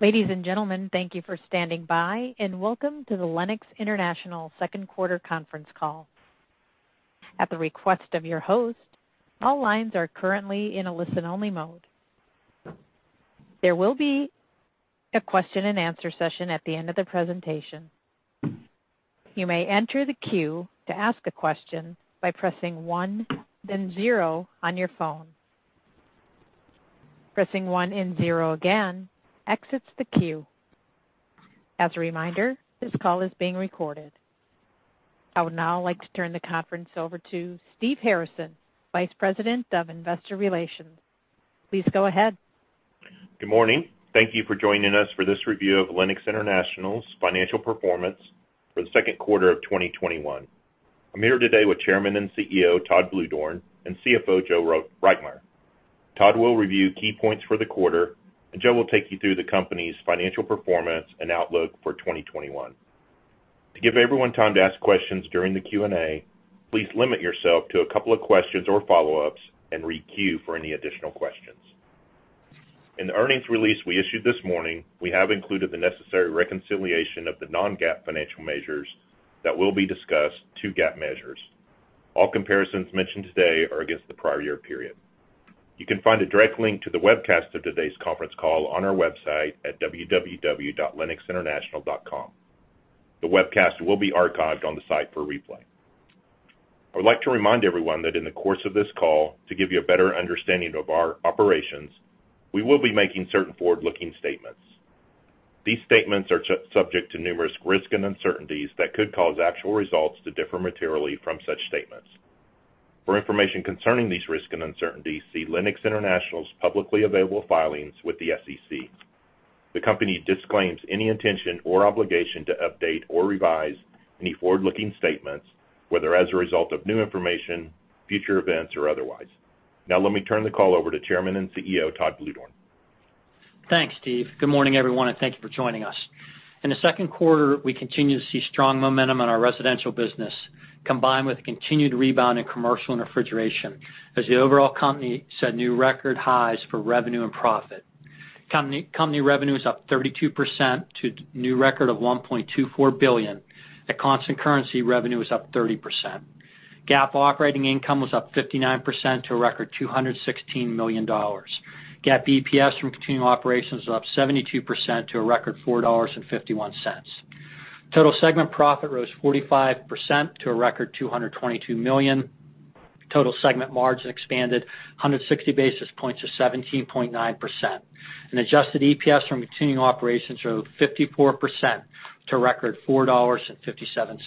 Ladies and gentlemen, thank you for standing by, and welcome to the Lennox International second quarter conference call. At the request of your host, all lines are currently in a listen-only mode. There will be a question and answer session at the end of the presentation. You may enter the queue to ask a question by pressing one then zero on your phone. Pressing one and zero again exits the queue. As a reminder, this call is being recorded. I would now like to turn the conference over to Steve Harrison, Vice President of Investor Relations. Please go ahead. Good morning. Thank you for joining us for this review of Lennox International's financial performance for the second quarter of 2021. I'm here today with Chairman and CEO, Todd Bluedorn and CFO, Joe Reitmeier. Todd will review key points for the quarter, Joe will take you through the company's financial performance and outlook for 2021. To give everyone time to ask questions during the Q&A, please limit yourself to a couple of questions or follow-ups and re-queue for any additional questions. In the earnings release we issued this morning, we have included the necessary reconciliation of the non-GAAP financial measures that will be discussed to GAAP measures. All comparisons mentioned today are against the prior year period. You can find a direct link to the webcast of today's conference call on our website at www.lennoxinternational.com. The webcast will be archived on the site for replay. I would like to remind everyone that in the course of this call, to give you a better understanding of our operations, we will be making certain forward-looking statements. These statements are subject to numerous risks and uncertainties that could cause actual results to differ materially from such statements. For information concerning these risks and uncertainties, see Lennox International's publicly available filings with the SEC. The company disclaims any intention or obligation to update or revise any forward-looking statements, whether as a result of new information, future events, or otherwise. Now, let me turn the call over to Chairman and CEO, Todd Bluedorn. Thanks, Steve. Good morning, everyone, and thank you for joining us. In the second quarter, we continue to see strong momentum in our residential business, combined with continued rebound in commercial and refrigeration, as the overall company set new record highs for revenue and profit. Company revenue is up 32% to a new record of $1.24 billion. At constant currency, revenue is up 30%. GAAP operating income was up 59% to a record $216 million. GAAP EPS from continuing operations was up 72% to a record $4.51. Total segment profit rose 45% to a record $222 million. Total segment margin expanded 160 basis points to 17.9%. Adjusted EPS from continuing operations were up 54% to a record $4.57.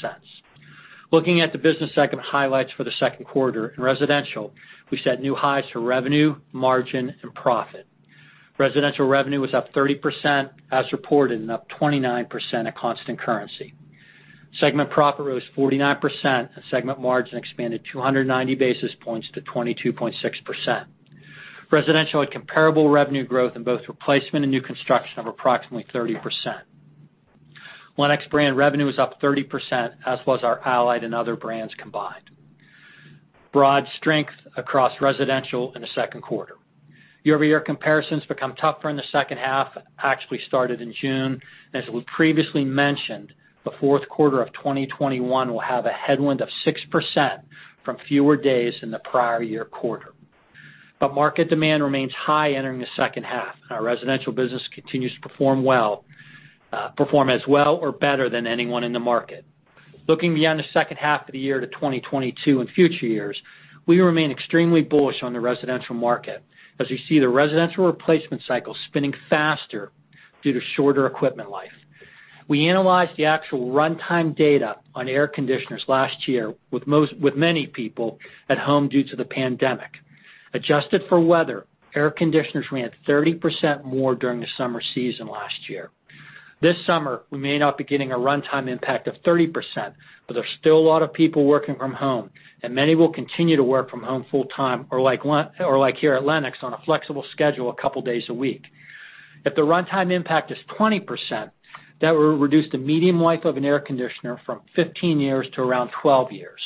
Looking at the business segment highlights for the second quarter, in residential, we set new highs for revenue, margin, and profit. Residential revenue was up 30% as reported, and up 29% at constant currency. Segment profit rose 49%, and segment margin expanded 290 basis points to 22.6%. Residential had comparable revenue growth in both replacement and new construction of approximately 30%. Lennox brand revenue was up 30%, as was our Allied and other brands combined. Broad strength across residential in the second quarter. Year-over-year comparisons become tougher in the second half, actually started in June. As we previously mentioned, the fourth quarter of 2021 will have a headwind of 6% from fewer days in the prior year quarter. Market demand remains high entering the second half, and our residential business continues to perform as well or better than anyone in the market. Looking beyond the second half of the year to 2022 and future years, we remain extremely bullish on the residential market as we see the residential replacement cycle spinning faster due to shorter equipment life. We analyzed the actual runtime data on air conditioners last year with many people at home due to the pandemic. Adjusted for weather, air conditioners ran 30% more during the summer season last year. This summer, we may not be getting a runtime impact of 30%, but there's still a lot of people working from home, and many will continue to work from home full-time, or like here at Lennox, on a flexible schedule a couple days a week. If the runtime impact is 20%, that will reduce the median life of an air conditioner from 15 years to around 12 years.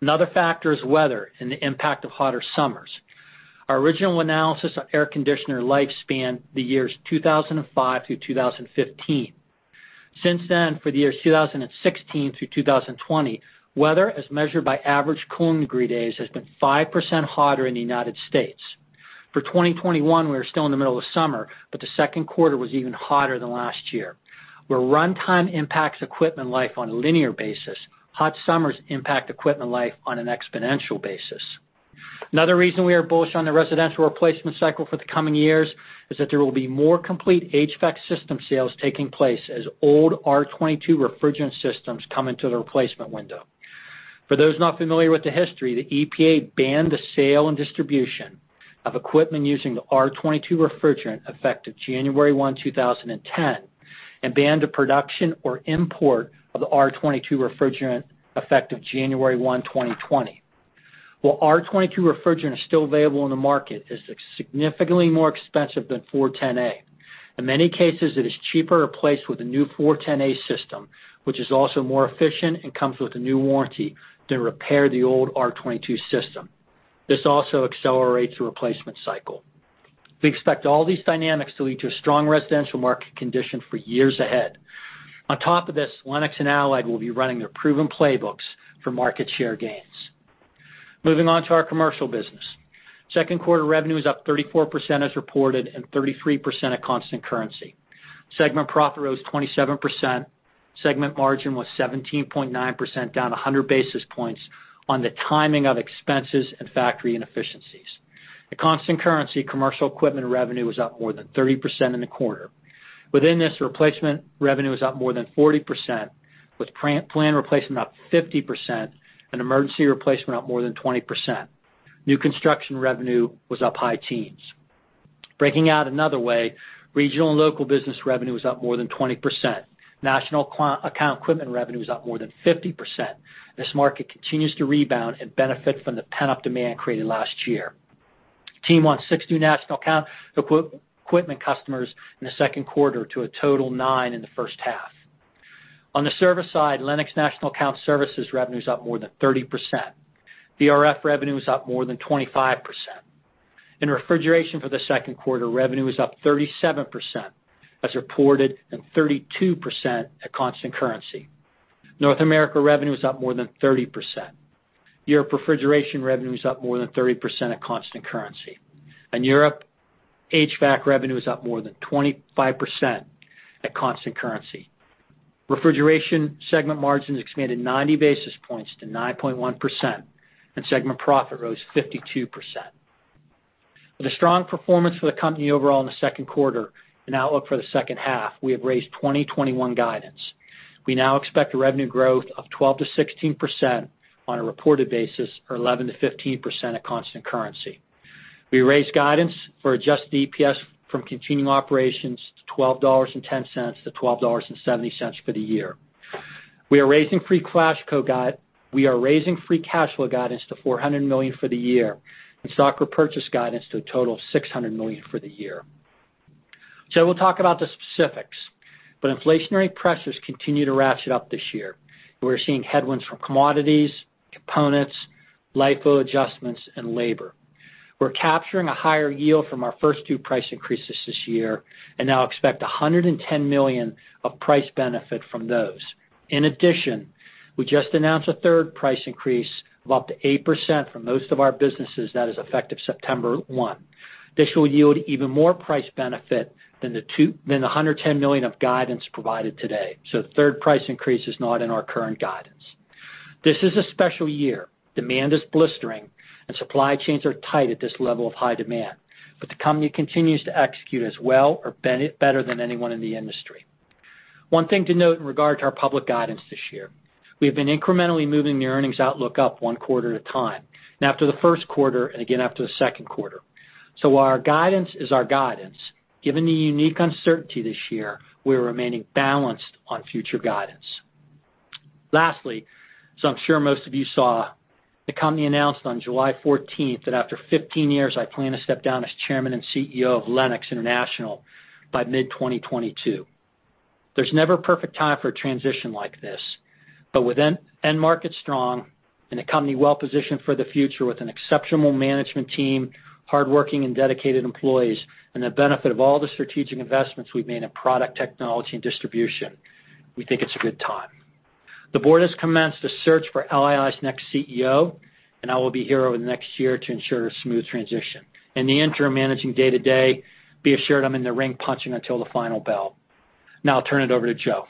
Another factor is weather and the impact of hotter summers. Our original analysis of air conditioner life spanned the years 2005 through 2015. Since then, for the years 2016 through 2020, weather, as measured by average cooling degree days, has been 5% hotter in the United States. For 2021, we are still in the middle of summer, but the second quarter was even hotter than last year. Where runtime impacts equipment life on a linear basis, hot summers impact equipment life on an exponential basis. Another reason we are bullish on the residential replacement cycle for the coming years is that there will be more complete HVAC system sales taking place as old R22 refrigerant systems come into the replacement window. For those not familiar with the history, the EPA banned the sale and distribution of equipment using the R22 refrigerant effective January 1, 2010, and banned the production or import of the R22 refrigerant effective January 1, 2020. While R22 refrigerant is still available in the market, it's significantly more expensive than 410A. In many cases, it is cheaper to replace with a new 410A system, which is also more efficient and comes with a new warranty than repair the old R22 system. This also accelerates the replacement cycle. We expect all these dynamics to lead to a strong residential market condition for years ahead. On top of this, Lennox and Allied will be running their proven playbooks for market share gains. Moving on to our commercial business. Second quarter revenue is up 34% as reported and 33% at constant currency. Segment profit rose 27%. Segment margin was 17.9%, down 100 basis points on the timing of expenses and factory inefficiencies. At constant currency, commercial equipment revenue was up more than 30% in the quarter. Within this, replacement revenue was up more than 40%, with planned replacement up 50% and emergency replacement up more than 20%. New construction revenue was up high teens. Breaking out another way, regional and local business revenue was up more than 20%. National account equipment revenue was up more than 50%. This market continues to rebound and benefit from the pent-up demand created last year. Team won six new national account equipment customers in the second quarter to a total nine in the first half. On the service side, Lennox National Account Services revenue is up more than 30%. VRF revenue is up more than 25%. In refrigeration for the second quarter, revenue was up 37% as reported and 32% at constant currency. North America revenue was up more than 30%. Europe refrigeration revenue was up more than 30% at constant currency. In Europe, HVAC revenue was up more than 25% at constant currency. Refrigeration segment margins expanded 90 basis points to 9.1%, and segment profit rose 52%. With a strong performance for the company overall in the second quarter and outlook for the second half, we have raised 2021 guidance. We now expect a revenue growth of 12%-16% on a reported basis or 11%-15% at constant currency. We raised guidance for adjusted EPS from continuing operations to $12.10-$12.70 for the year. We are raising free cash flow guidance to $400 million for the year and stock repurchase guidance to a total of $600 million for the year. We'll talk about the specifics, but inflationary pressures continue to ratchet up this year. We're seeing headwinds from commodities, components, LIFO adjustments, and labor. We're capturing a higher yield from our first two price increases this year and now expect $110 million of price benefit from those. In addition, we just announced a third price increase of up to 8% for most of our businesses. That is effective September 1. This will yield even more price benefit than the $110 million of guidance provided today. The third price increase is not in our current guidance. This is a special year. Demand is blistering, and supply chains are tight at this level of high demand. The company continues to execute as well or better than anyone in the industry. One thing to note in regard to our public guidance this year, we have been incrementally moving the earnings outlook up one quarter at a time, and after the first quarter, and again after the second quarter. While our guidance is our guidance, given the unique uncertainty this year, we're remaining balanced on future guidance. Lastly, I'm sure most of you saw, the company announced on July 14th that after 15 years, I plan to step down as Chairman and CEO of Lennox International by mid-2022. There's never a perfect time for a transition like this. With end market strong and the company well-positioned for the future with an exceptional management team, hardworking and dedicated employees, and the benefit of all the strategic investments we've made in product technology and distribution, we think it's a good time. The Board has commenced a search for LII's next CEO, and I will be here over the next year to ensure a smooth transition. In the interim, managing day-to-day, be assured I'm in the ring punching until the final bell. Now, I'll turn it over to Joe.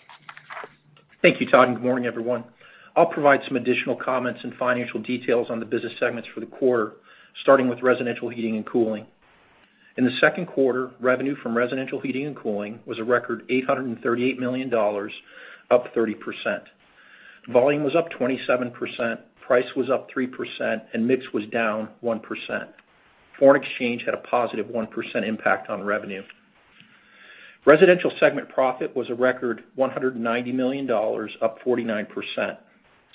Thank you, Todd. Good morning, everyone. I'll provide some additional comments and financial details on the business segments for the quarter, starting with Residential Heating and Cooling. In the second quarter, revenue from Residential Heating and Cooling was a record $838 million, up 30%. Volume was up 27%, price was up 3%, and mix was down 1%. Foreign exchange had a positive 1% impact on revenue. Residential segment profit was a record $190 million, up 49%.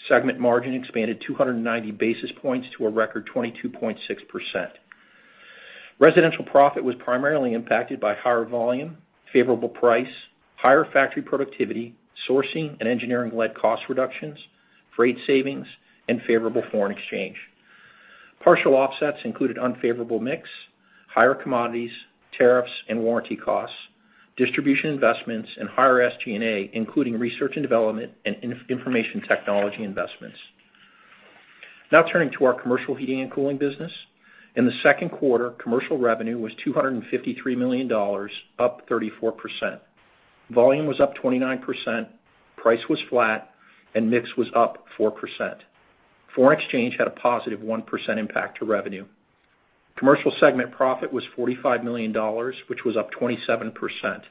Segment margin expanded 290 basis points to a record 22.6%. Residential profit was primarily impacted by higher volume, favorable price, higher factory productivity, sourcing and engineering-led cost reductions, freight savings, and favorable foreign exchange. Partial offsets included unfavorable mix, higher commodities, tariffs, and warranty costs, distribution investments, and higher SG&A, including research and development and information technology investments. Now turning to our Commercial Heating and Cooling business. In the second quarter, commercial revenue was $253 million, up 34%. Volume was up 29%, price was flat, and mix was up 4%. Foreign exchange had a positive 1% impact to revenue. Commercial segment profit was $45 million, which was up 27%.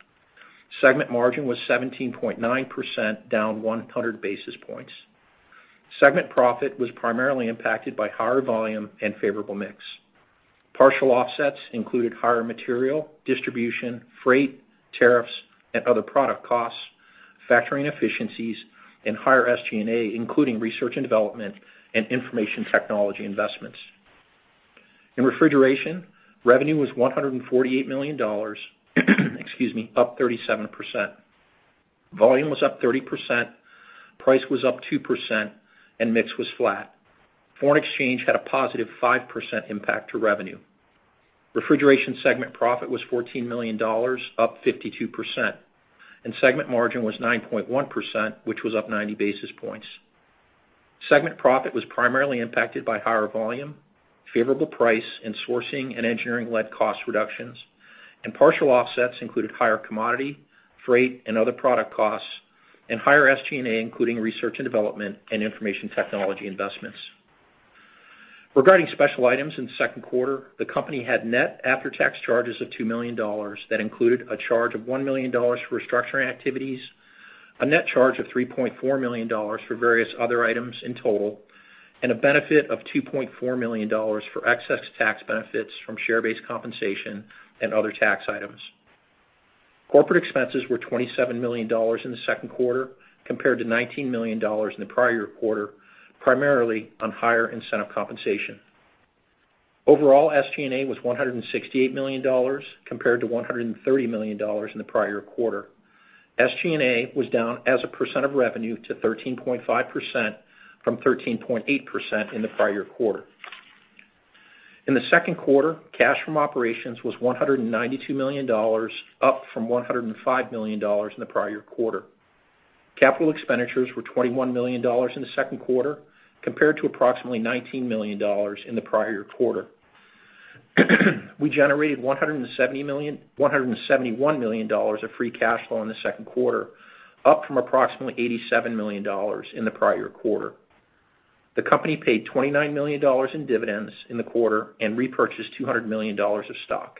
Segment margin was 17.9%, down 100 basis points. Segment profit was primarily impacted by higher volume and favorable mix. Partial offsets included higher material, distribution, freight, tariffs, and other product costs, factory inefficiencies, and higher SG&A, including research and development and information technology investments. In refrigeration, revenue was $148 million, up 37%. Volume was up 30%, price was up 2%, and mix was flat. Foreign exchange had a positive 5% impact to revenue. Refrigeration segment profit was $14 million, up 52%, and segment margin was 9.1%, which was up 90 basis points. Segment profit was primarily impacted by higher volume, favorable price, and sourcing and engineering-led cost reductions, and partial offsets included higher commodity, freight, and other product costs, and higher SG&A, including research and development and information technology investments. Regarding special items in the second quarter, the company had net after-tax charges of $2 million that included a charge of $1 million for restructuring activities, a net charge of $3.4 million for various other items in total, and a benefit of $2.4 million for excess tax benefits from share-based compensation and other tax items. Corporate expenses were $27 million in the second quarter, compared to $19 million in the prior quarter, primarily on higher incentive compensation. Overall, SG&A was $168 million, compared to $130 million in the prior quarter. SG&A was down as a percent of revenue to 13.5% from 13.8% in the prior quarter. In the second quarter, cash from operations was $192 million, up from $105 million in the prior quarter. Capital expenditures were $21 million in the second quarter, compared to approximately $19 million in the prior quarter. We generated $171 million of free cash flow in the second quarter, up from approximately $87 million in the prior quarter. The company paid $29 million in dividends in the quarter and repurchased $200 million of stock.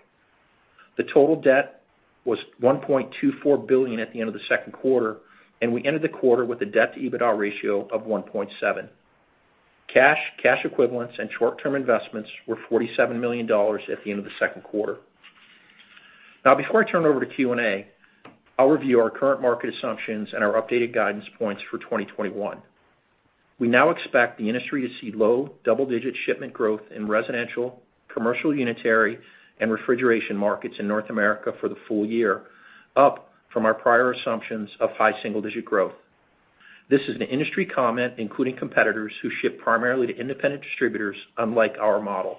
The total debt was $1.24 billion at the end of the second quarter, and we ended the quarter with a debt-to-EBITDA ratio of 1.7. Cash, cash equivalents, and short-term investments were $47 million at the end of the second quarter. Now, before I turn it over to Q&A, I'll review our current market assumptions and our updated guidance points for 2021. We now expect the industry to see low double-digit shipment growth in residential, commercial unitary, and refrigeration markets in North America for the full year, up from our prior assumptions of high single-digit growth. This is an industry comment, including competitors who ship primarily to independent distributors, unlike our model.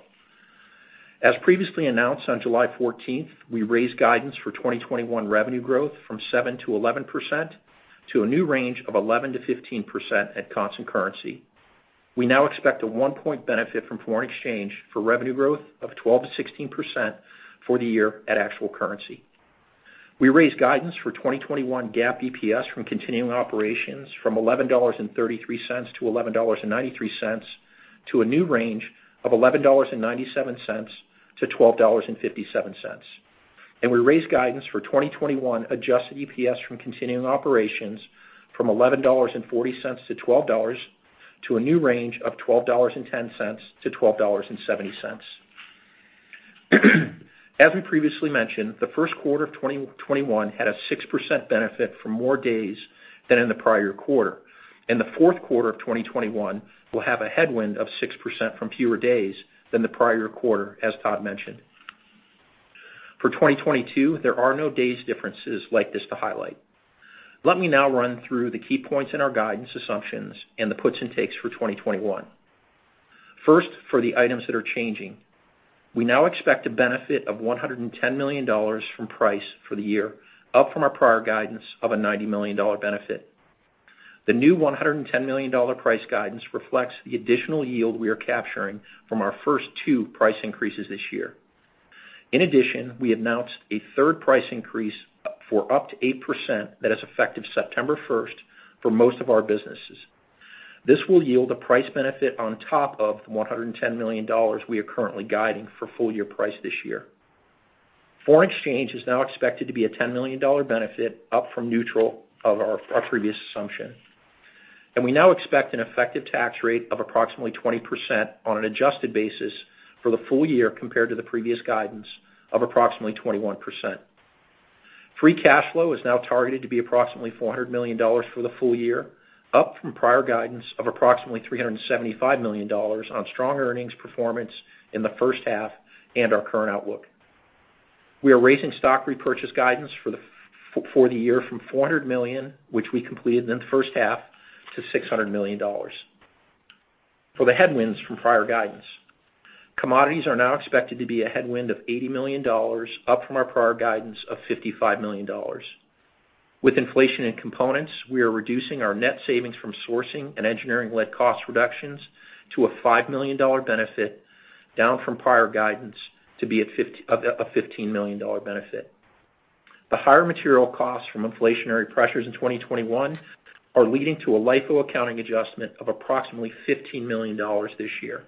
As previously announced on July 14th, we raised guidance for 2021 revenue growth from 7%-11% to a new range of 11%-15% at constant currency. We now expect a one-point benefit from foreign exchange for revenue growth of 12%-16% for the year at actual currency. We raised guidance for 2021 GAAP EPS from continuing operations from $11.33-$11.93 to a new range of $11.97-$12.57. We raised guidance for 2021 adjusted EPS from continuing operations from $11.40-$12 to a new range of $12.10-$12.70. As we previously mentioned, the first quarter of 2021 had a 6% benefit for more days than in the prior quarter, and the fourth quarter of 2021 will have a headwind of 6% from fewer days than the prior quarter, as Todd mentioned. For 2022, there are no days differences like this to highlight. Let me now run through the key points in our guidance assumptions and the puts and takes for 2021. First, for the items that are changing. We now expect a benefit of $110 million from price for the year, up from our prior guidance of a $90 million benefit. The new $110 million price guidance reflects the additional yield we are capturing from our first two price increases this year. In addition, we announced a third price increase for up to 8% that is effective September 1st for most of our businesses. This will yield a price benefit on top of the $110 million we are currently guiding for full-year price this year. Foreign exchange is now expected to be a $10 million benefit, up from neutral of our previous assumption. We now expect an effective tax rate of approximately 20% on an adjusted basis for the full year compared to the previous guidance of approximately 21%. Free cash flow is now targeted to be approximately $400 million for the full year, up from prior guidance of approximately $375 million on strong earnings performance in the first half and our current outlook. We are raising stock repurchase guidance for the year from $400 million, which we completed in the first half, to $600 million. For the headwinds from prior guidance. Commodities are now expected to be a headwind of $80 million, up from our prior guidance of $55 million. With inflation in components, we are reducing our net savings from sourcing and engineering-led cost reductions to a $5 million benefit, down from prior guidance to be a $15 million benefit. The higher material costs from inflationary pressures in 2021 are leading to a LIFO accounting adjustment of approximately $15 million this year.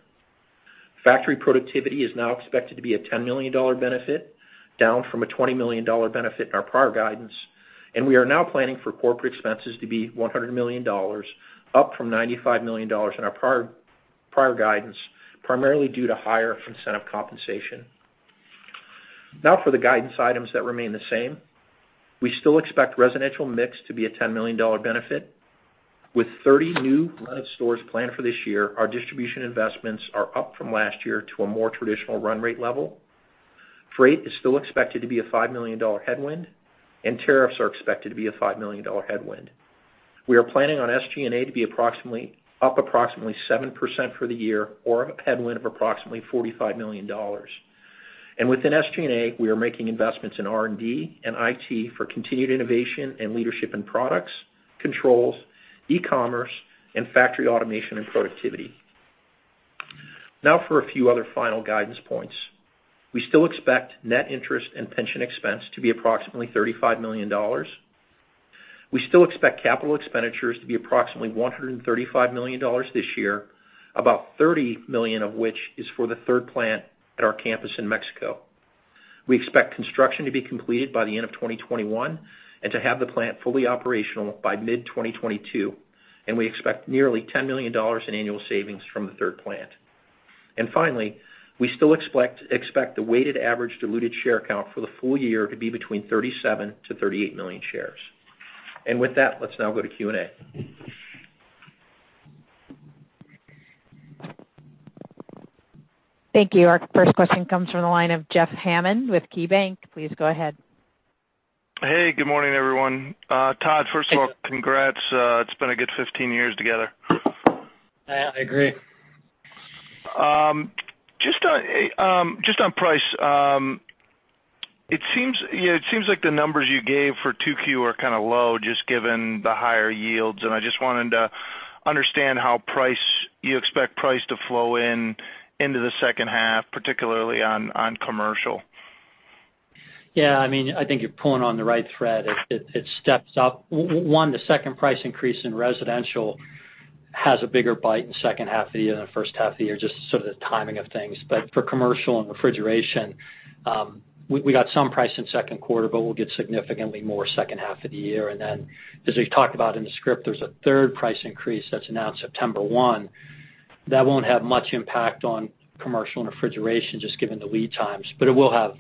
Factory productivity is now expected to be a $10 million benefit, down from a $20 million benefit in our prior guidance, and we are now planning for corporate expenses to be $100 million, up from $95 million in our prior guidance, primarily due to higher incentive compensation. Now for the guidance items that remain the same, we still expect residential mix to be a $10 million benefit. With 30 new Lennox stores planned for this year, our distribution investments are up from last year to a more traditional run rate level. Freight is still expected to be a $5 million headwind. Tariffs are expected to be a $5 million headwind. We are planning on SG&A to be up approximately 7% for the year or a headwind of approximately $45 million. Within SG&A, we are making investments in R&D and IT for continued innovation and leadership in products, controls, e-commerce, and factory automation and productivity. Now, for a few other final guidance points. We still expect net interest and pension expense to be approximately $35 million. We still expect capital expenditures to be approximately $135 million this year, about $30 million of which is for the third plant at our campus in Mexico. We expect construction to be completed by the end of 2021 and to have the plant fully operational by mid-2022. We expect nearly $10 million in annual savings from the third plant. Finally, we still expect the weighted average diluted share count for the full year to be between 37 million-38 million shares. With that, let's now go to Q&A. Thank you. Our first question comes from the line of Jeff Hammond with KeyBanc. Please go ahead. Hey, good morning, everyone. Todd, first of all, congrats. It's been a good 15 years together. I agree. Just on price, it seems like the numbers you gave for 2Q are kind of low, just given the higher yields, and I just wanted to understand how you expect price to flow in into the second half, particularly on commercial. Yeah, I think you're pulling on the right thread. It steps up. One, the second price increase in residential has a bigger bite in the second half of the year than the first half of the year, just sort of the timing of things. For commercial and refrigeration, we got some price in the second quarter, but we'll get significantly more second half of the year. As we've talked about in the script, there's a third price increase that's announced September 1. That won't have much impact on commercial and refrigeration, just given the lead times, but it will have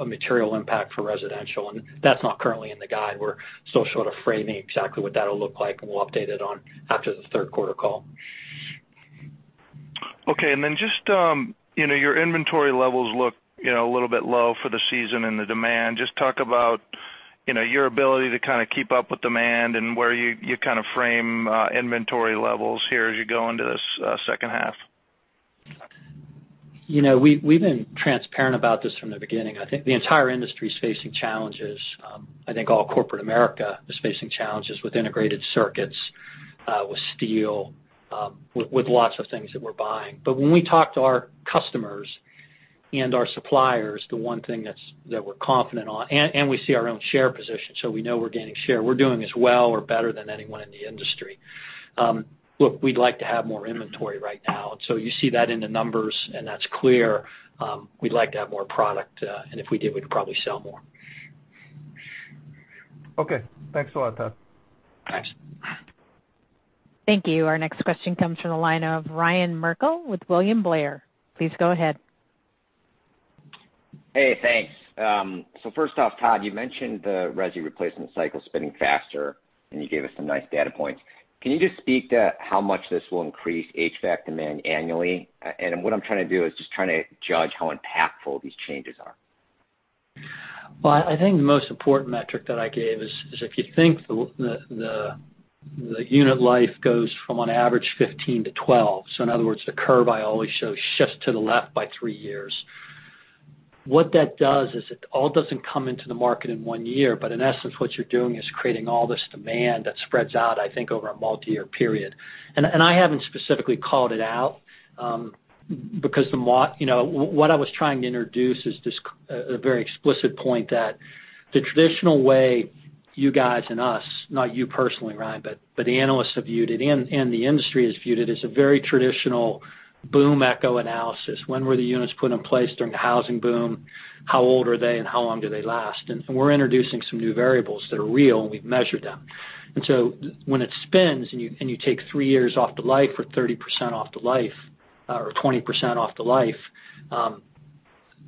a material impact for residential, and that's not currently in the guide. We're still sort of framing exactly what that'll look like, and we'll update it after the third quarter call. Okay, then just your inventory levels look a little bit low for the season and the demand. Just talk about your ability to kind of keep up with demand and where you kind of frame inventory levels here as you go into this second half. We've been transparent about this from the beginning. I think the entire industry is facing challenges. I think all corporate America is facing challenges with integrated circuits, with steel, with lots of things that we're buying. When we talk to our customers and our suppliers, the one thing that we're confident on, and we see our own share position, so we know we're gaining share, we're doing as well or better than anyone in the industry. Look, we'd like to have more inventory right now, and so you see that in the numbers, and that's clear. We'd like to have more product, and if we did, we'd probably sell more. Okay. Thanks a lot, Todd. Thanks. Thank you. Our next question comes from the line of Ryan Merkel with William Blair. Please go ahead. Hey, thanks. First off, Todd, you mentioned the resi replacement cycle spinning faster, and you gave us some nice data points. Can you just speak to how much this will increase HVAC demand annually? What I'm trying to do is just trying to judge how impactful these changes are. I think the most important metric that I gave is if you think the unit life goes from on average 15 to 12. In other words, the curve I always show shifts to the left by 3 years. What that does is, it all doesn't come into the market in 1 year, but in essence, what you're doing is creating all this demand that spreads out, I think, over a multi-year period. I haven't specifically called it out because, what I was trying to introduce is a very explicit point that the traditional way you guys and us, not you personally, Ryan, but the analysts have viewed it and the industry has viewed it as a very traditional boom-echo analysis. When were the units put in place during the housing boom? How old are they, and how long do they last? We're introducing some new variables that are real, and we've measured them. When it spins and you take 3 years off the life or 30% off the life, or 20% off the life,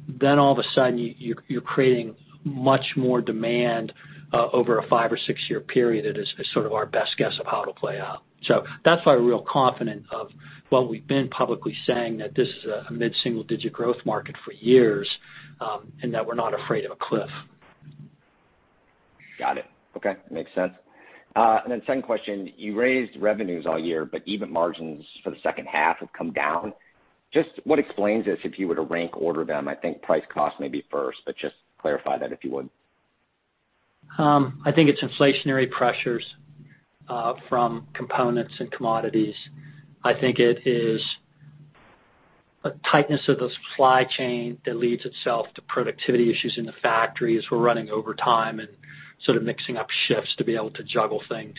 then all of a sudden, you're creating much more demand over a 5 or 6-year period is sort of our best guess of how it'll play out. That's why we're real confident of what we've been publicly saying that this is a mid-single digit growth market for years, and that we're not afraid of a cliff. Got it. Okay. Makes sense. Second question, you raised revenues all year, but even margins for the second half have come down. Just what explains this, if you were to rank order them? I think price cost may be first, but just clarify that, if you would. I think it's inflationary pressures from components and commodities. I think it is a tightness of the supply chain that leads itself to productivity issues in the factory as we're running overtime and sort of mixing up shifts to be able to juggle things.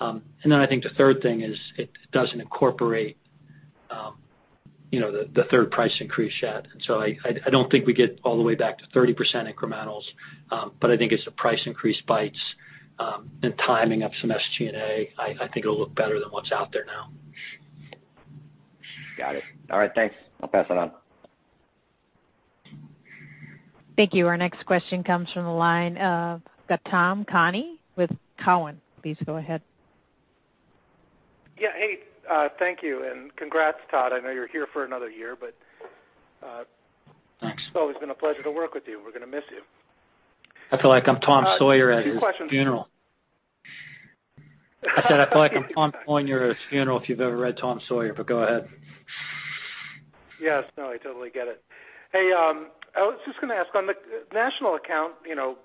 Then, I think the third thing is it doesn't incorporate the third price increase yet. So I don't think we get all the way back to 30% incrementals, but I think as the price increase bites and timing of some SG&A, I think it'll look better than what's out there now. Got it. All right, thanks. I'll pass it on. Thank you. Our next question comes from the line of Gautam Khanna with Cowen. Please go ahead. Yeah. Hey, thank you, and congrats, Todd. I know you're here for another year. Thanks It's always been a pleasure to work with you. We're going to miss you. I feel like I'm Tom Sawyer at his funeral. Few questions. I said I feel like I'm Tom Sawyer at his funeral, if you've ever read "Tom Sawyer," but go ahead. Yes. No, I totally get it. Hey, I was just going to ask, on the national account,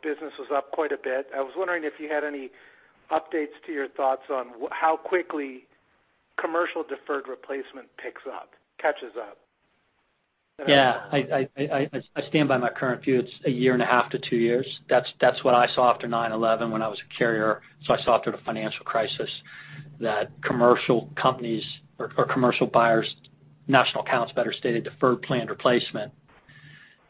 business was up quite a bit. I was wondering if you had any updates to your thoughts on how quickly commercial deferred replacement picks up, catches up. Yeah. I stand by my current view. It's a year and a half to 2 years. That's what I saw after 9/11 when I was a carrier. I saw after the financial crisis that commercial companies or commercial buyers, national accounts, better stated, deferred planned replacement.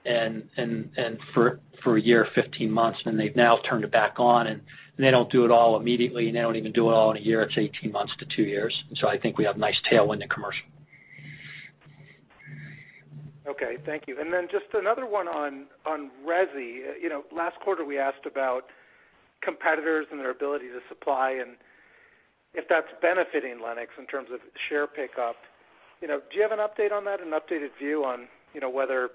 For a year, 15 months, and they've now turned it back on, and they don't do it all immediately, and they don't even do it all in a year. It's 18 months to 2 years. I think we have nice tailwind in commercial. Okay. Thank you. Just another one on resi. Last quarter, we asked about competitors and their ability to supply and if that's benefiting Lennox in terms of share pickup. Do you have an update on that, an updated view on whether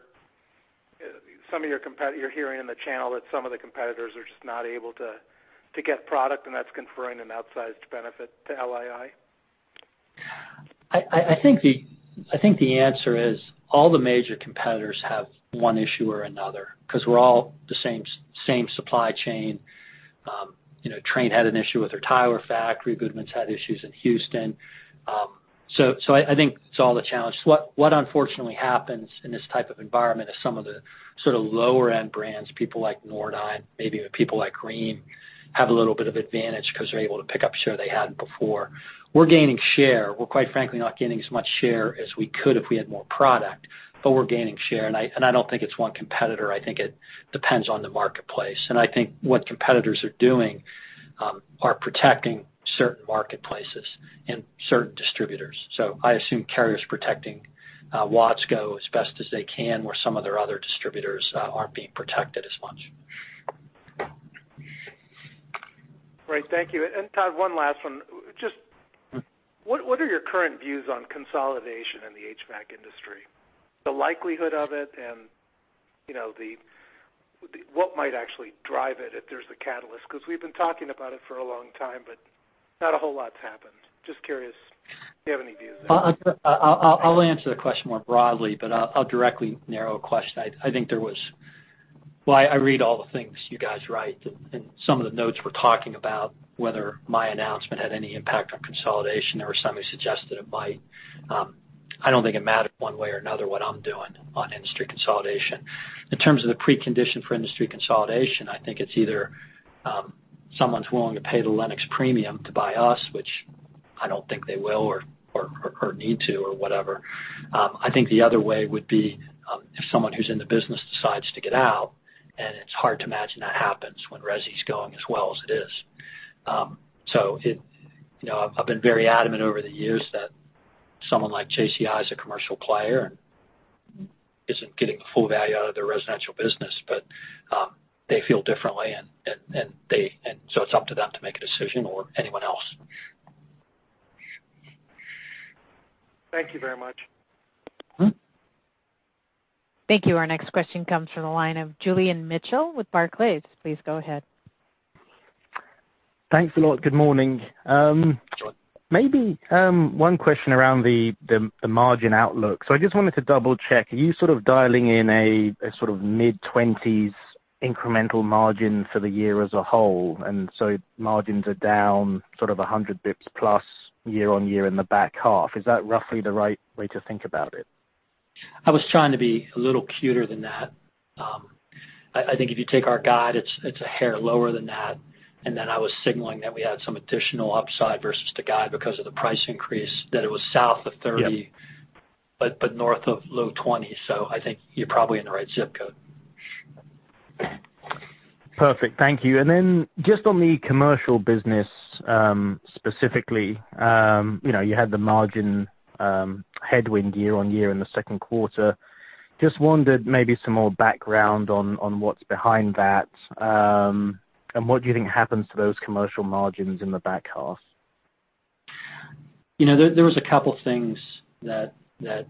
you're hearing in the channel that some of the competitors are just not able to get product, and that's conferring an outsized benefit to LII? I think the answer is all the major competitors have one issue or another because we're all the same supply chain. Trane had an issue with their Tyler factory. Goodman's had issues in Houston. I think it's all the challenge. What unfortunately happens in this type of environment is some of the lower-end brands, people like Nordyne, maybe even people like Gree, have a little bit of advantage because they're able to pick up share they hadn't before. We're gaining share. We're quite frankly not gaining as much share as we could if we had more product, but we're gaining share. I don't think it's one competitor. I think it depends on the marketplace. I think what competitors are doing are protecting certain marketplaces and certain distributors. I assume Carrier's protecting Watsco as best as they can, where some of their other distributors aren't being protected as much. Great. Thank you. Todd, one last one. What are your current views on consolidation in the HVAC industry? The likelihood of it and what might actually drive it if there's a catalyst? Because we've been talking about it for a long time, but not a whole lot's happened. Just curious if you have any views there? I'll answer the question more broadly, but I'll directly narrow a question. I think there was. Why I read all the things you guys write, and some of the notes were talking about whether my announcement had any impact on consolidation. There were some who suggested it might. I don't think it mattered one way or another what I'm doing on industry consolidation. In terms of the precondition for industry consolidation, I think it's either someone's willing to pay the Lennox premium to buy us, which I don't think they will or need to or whatever. I think the other way would be if someone who's in the business decides to get out, and it's hard to imagine that happens when resi's going as well as it is. I've been very adamant over the years that someone like JCI is a commercial player and isn't getting the full value out of their residential business, but they feel differently, and so it's up to them to make a decision or anyone else. Thank you very much. Thank you. Our next question comes from the line of Julian Mitchell with Barclays. Please go ahead. Thanks a lot. Good morning. Good morning. Maybe one question around the margin outlook. I just wanted to double-check, are you sort of dialing in a sort of mid-20s incremental margin for the year as a whole, and so if margins are down sort of 100 basis points plus year-over-year in the back half? Is that roughly the right way to think about it? I was trying to be a little cuter than that. I think if you take our guide, it's a hair lower than that. Then, I was signaling that we had some additional upside versus the guide because of the price increase, that it was south of 30, but north of low 20s, I think you're probably in the right zip code. Perfect. Thank you. Just on the commercial business, specifically, you had the margin headwind year-on-year in the second quarter. Just wondered maybe some more background on what's behind that. What do you think happens to those commercial margins in the back half? There was a couple things that --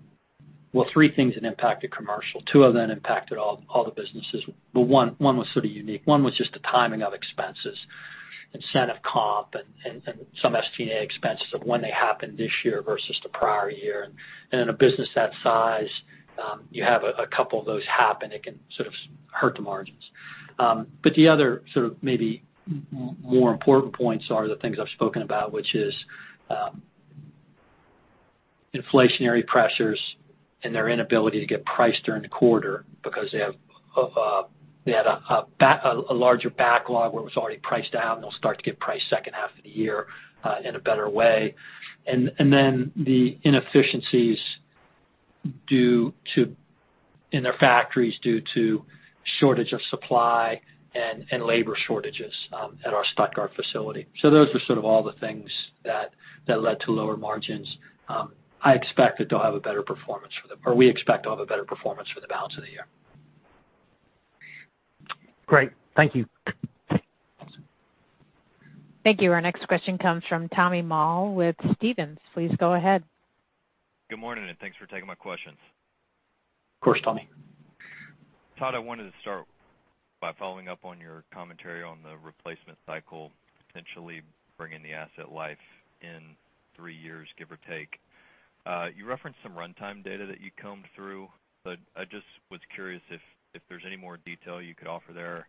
well, three things that impacted commercial. Two of them impacted all the businesses, but one was sort of unique. One was just the timing of expenses, incentive comp, and some SG&A expenses of when they happened this year versus the prior year. In a business that size, you have a couple of those happen. It can sort of hurt the margins, but he other sort of maybe more important points are the things I've spoken about, which is inflationary pressures and their inability to get priced during the quarter because they had a larger backlog where it was already priced out, and they'll start to get priced second half of the year in a better way. The inefficiencies in their factories due to shortage of supply and labor shortages at our Stuttgart facility. Those were sort of all the things that led to lower margins. We expect to have a better performance for the balance of the year. Great. Thank you. Awesome. Thank you. Our next question comes from Tommy Moll with Stephens. Please go ahead. Good morning. Thanks for taking my questions. Of course, Tommy. Todd, I wanted to start by following up on your commentary on the replacement cycle potentially bringing the asset life in 3 years, give or take. You referenced some runtime data that you combed through, but I just was curious if there's any more detail you could offer there,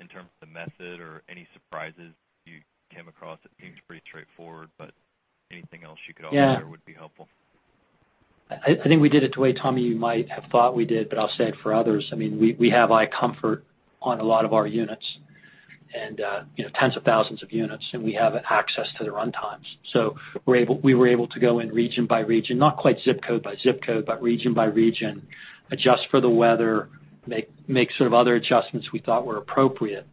in terms of the method or any surprises you came across. It seems pretty straightforward, but anything else you could offer there would be helpful. I think we did it the way, Tommy, you might have thought we did, but I'll say it for others. We have iComfort on a lot of our units and, tens of thousands of units, and we have access to the runtimes. We were able to go in region by region, not quite zip code by zip code, but region by region, adjust for the weather, make sort of other adjustments we thought were appropriate,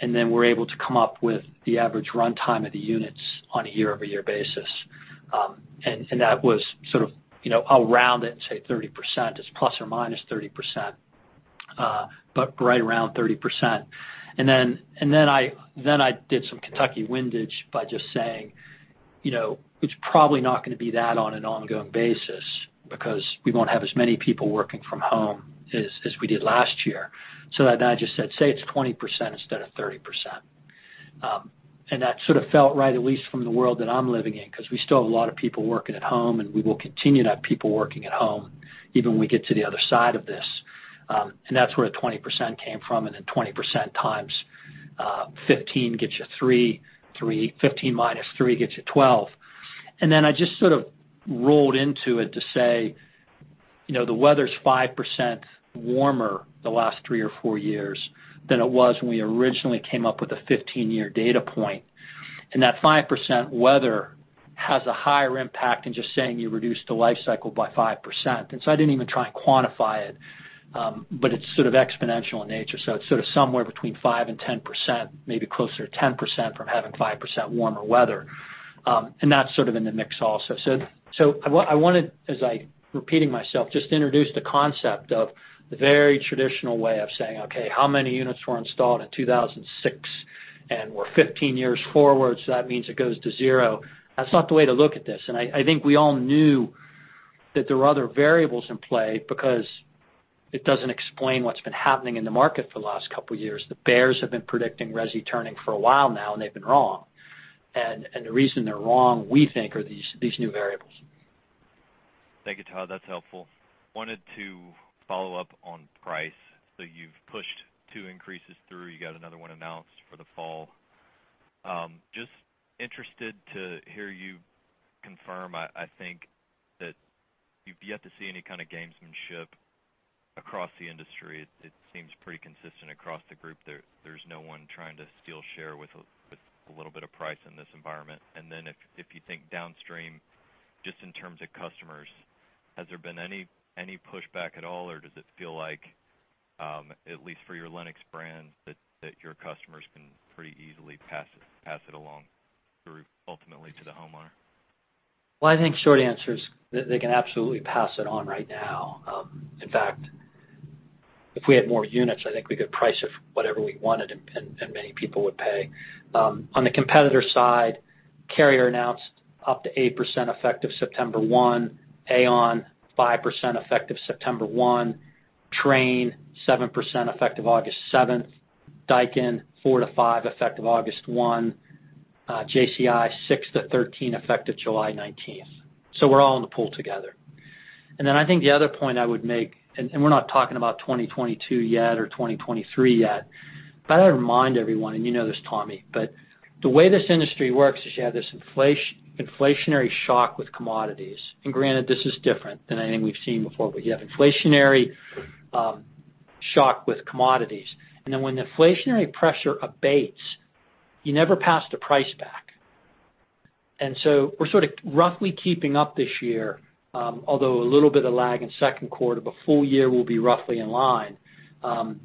then we're able to come up with the average runtime of the units on a year-over-year basis. That was sort of, I'll round it and say 30%. It's ±30%, but right around 30%. Then, I did some Kentucky windage by just saying, you know, it's probably not going to be that on an ongoing basis because we won't have as many people working from home as we did last year. I just said, say it's 20% instead of 30%. That sort of felt right, at least from the world that I'm living in, because we still have a lot of people working at home, and we will continue to have people working at home even when we get to the other side of this. That's where the 20% came from and then 20% times, 15 gets you 3 -- 15 minus 3 gets you 12. Then, I just sort of rolled into it to say, the weather's 5% warmer in the last 3 or 4 years than it was when we originally came up with a 15-year data point, and that 5% weather has a higher impact than just saying you reduced the life cycle by 5%. I didn't even try and quantify it, but it's sort of exponential in nature. It's sort of somewhere between 5% and 10%, maybe closer to 10%, from having 5% warmer weather. That's sort of in the mix also. I want to, as I'm repeating myself, just introduce the concept of the very traditional way of saying, okay, how many units were installed in 2006, and we're 15 years forward, so that means it goes to zero. That's not the way to look at this. I think we all knew that there were other variables in play because it doesn't explain what's been happening in the market for the last couple of years. The [bears] have been predicting resi turning for a while now, and they've been wrong. The reason they're wrong, we think, are these new variables. Thank you, Todd. That's helpful. Wanted to follow-up on price. You've pushed two increases through. You got another one announced for the fall. Just interested to hear you confirm. I think that you've yet to see any kind of gamesmanship across the industry. It seems pretty consistent across the group. There's no one trying to steal share with a little bit of price in this environment. If you think downstream, just in terms of customers, has there been any pushback at all, or does it feel like, at least for your Lennox brand, that your customers can pretty easily pass it along through ultimately to the homeowner? Well, I think short answer is they can absolutely pass it on right now. In fact, if we had more units, I think we could price it for whatever we wanted, and many people would pay. On the competitor side, Carrier announced up to 8% effective September 1. AAON, 5% effective September 1. Trane, 7% effective August 7th. Daikin, 4% to 5% effective August 1. JCI, 6% to 13% effective July 19th. We're all in the pool together. I think the other point I would make, and we're not talking about 2022 yet or 2023 yet, but I remind everyone, and you know this, Tommy, but the way this industry works is you have this inflationary shock with commodities. Granted, this is different than anything we've seen before, but you have inflationary shock with commodities. When the inflationary pressure abates, you never pass the price back. We're sort of roughly keeping up this year, although a little bit of lag in second quarter, but full year will be roughly in line. In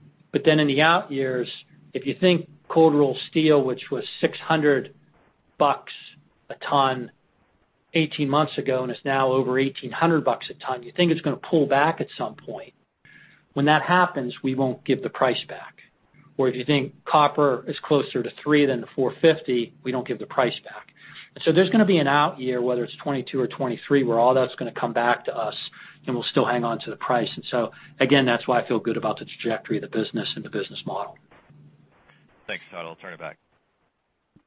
the out years, if you think cold-rolled steel, which was $600 a ton 18 months ago and is now over $1,800 a ton, you think it's going to pull back at some point. When that happens, we won't give the price back. If you think copper is closer to $3 than the $4.50, we don't give the price back. There's going to be an out year, whether it's 2022 or 2023, where all that's going to come back to us, and we'll still hang on to the price. Again, that's why I feel good about the trajectory of the business and the business model. Thanks, Todd. I'll turn it back.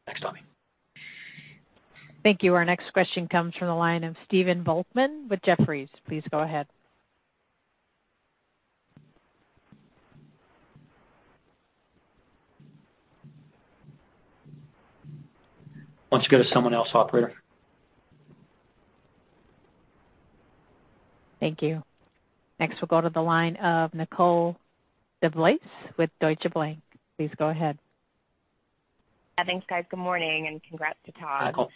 Thanks, Tommy. Thank you. Our next question comes from the line of Stephen Volkmann with Jefferies. Please go ahead. Why don't you go to someone else, operator? Thank you. Next, we'll go to the line of Nicole DeBlase with Deutsche Bank. Please go ahead. Thanks, guys. Good morning, and congrats to Todd. Hi, Nicole.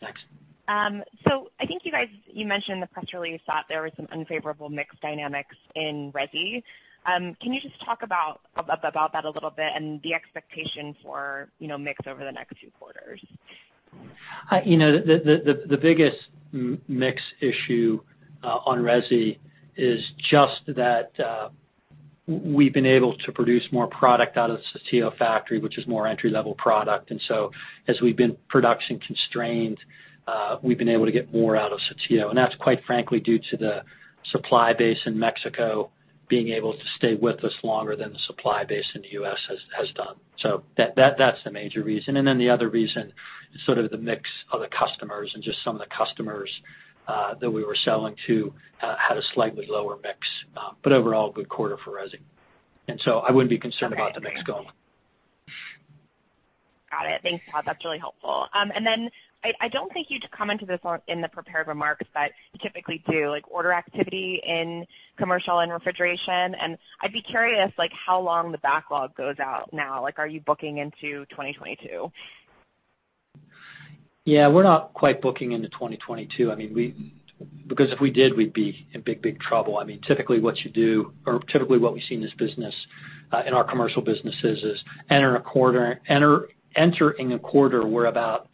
Thanks. I think you mentioned in the press release that there was some unfavorable mix dynamics in resi. Can you just talk about that a little bit and the expectation for mix over the next few quarters? The biggest mix issue on resi is just that we've been able to produce more product out of the Saltillo factory, which is more entry-level product. As we've been production constrained, we've been able to get more out of Saltillo. That's quite frankly, due to the supply base in Mexico being able to stay with us longer than the supply base in the U.S. has done. That's the major reason. The other reason is sort of the mix of the customers and just some of the customers that we were selling to had a slightly lower mix. Overall, good quarter for resi. I wouldn't be concerned about the mix going. Got it. Thanks, Todd. That's really helpful. I don't think you comment to this in the prepared remarks, but you typically do, like order activity in commercial and refrigeration, and I'd be curious like how long the backlog goes out now. Are you booking into 2022? Yeah. We're not quite booking into 2022. Because if we did, we'd be in big trouble. Typically, what we see in our commercial businesses is enter in a quarter, we're about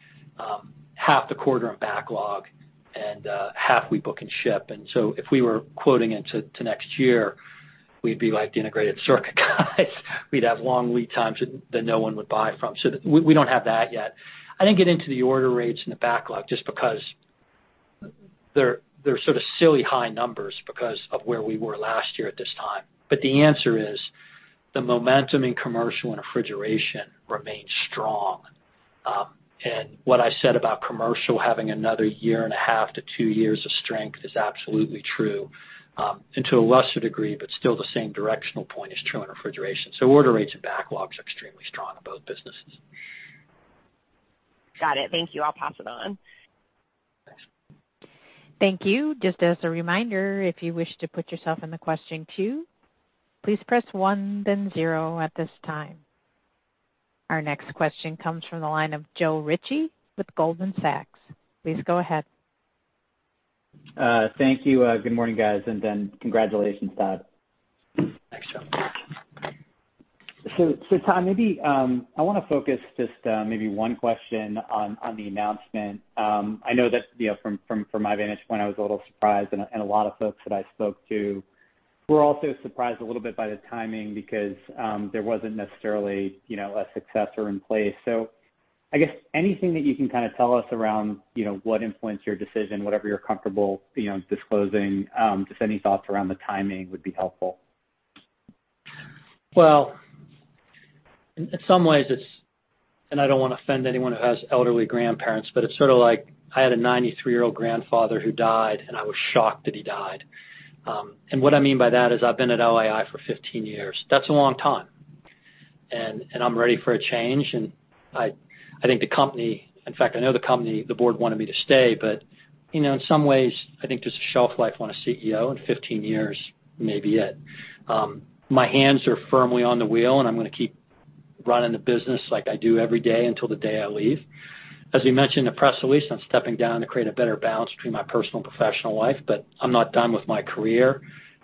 half the quarter in backlog, and half we book and ship. If we were quoting into next year, we'd be like the integrated circuit guys. We'd have long lead times that no one would buy from. We don't have that yet. I didn't get into the order rates and the backlog just because they're sort of silly high numbers because of where we were last year at this time. The answer is, the momentum in commercial and refrigeration remains strong. What I said about commercial having another 1.5 to 2 years of strength is absolutely true. To a lesser degree, but still the same directional point is true in refrigeration. Order rates and backlogs are extremely strong in both businesses. Got it. Thank you. I'll pass it on. Thanks. Thank you. This is a reminder, if you wish to put yourself into a question queue, please press one then zero at this time. Our next question comes from the line of Joe Ritchie with Goldman Sachs. Please go ahead. Thank you. Good morning, guys. Congratulations, Todd. Thanks, Joe. Todd, maybe I want to focus just maybe one question on the announcement. I know that from my vantage point, I was a little surprised, and a lot of folks that I spoke to were also surprised a little bit by the timing because there wasn't necessarily a successor in place. I guess anything that you can kind of tell us around what influenced your decision, whatever you're comfortable disclosing, just any thoughts around the timing would be helpful. Well, in some ways it's, and I don't want to offend anyone who has elderly grandparents, but it's sort of like I had a 93-year-old grandfather who died, and I was shocked that he died. What I mean by that is I've been at LII for 15 years. That's a long time, and I'm ready for a change, and I think the company, in fact, I know the company, the board wanted me to stay. In some ways, I think there's a shelf life on a CEO, and 15 years may be it. My hands are firmly on the wheel, and I'm going to keep running the business like I do every day until the day I leave. As we mentioned in the press release, I'm stepping down to create a better balance between my personal and professional life, but I'm not done with my career.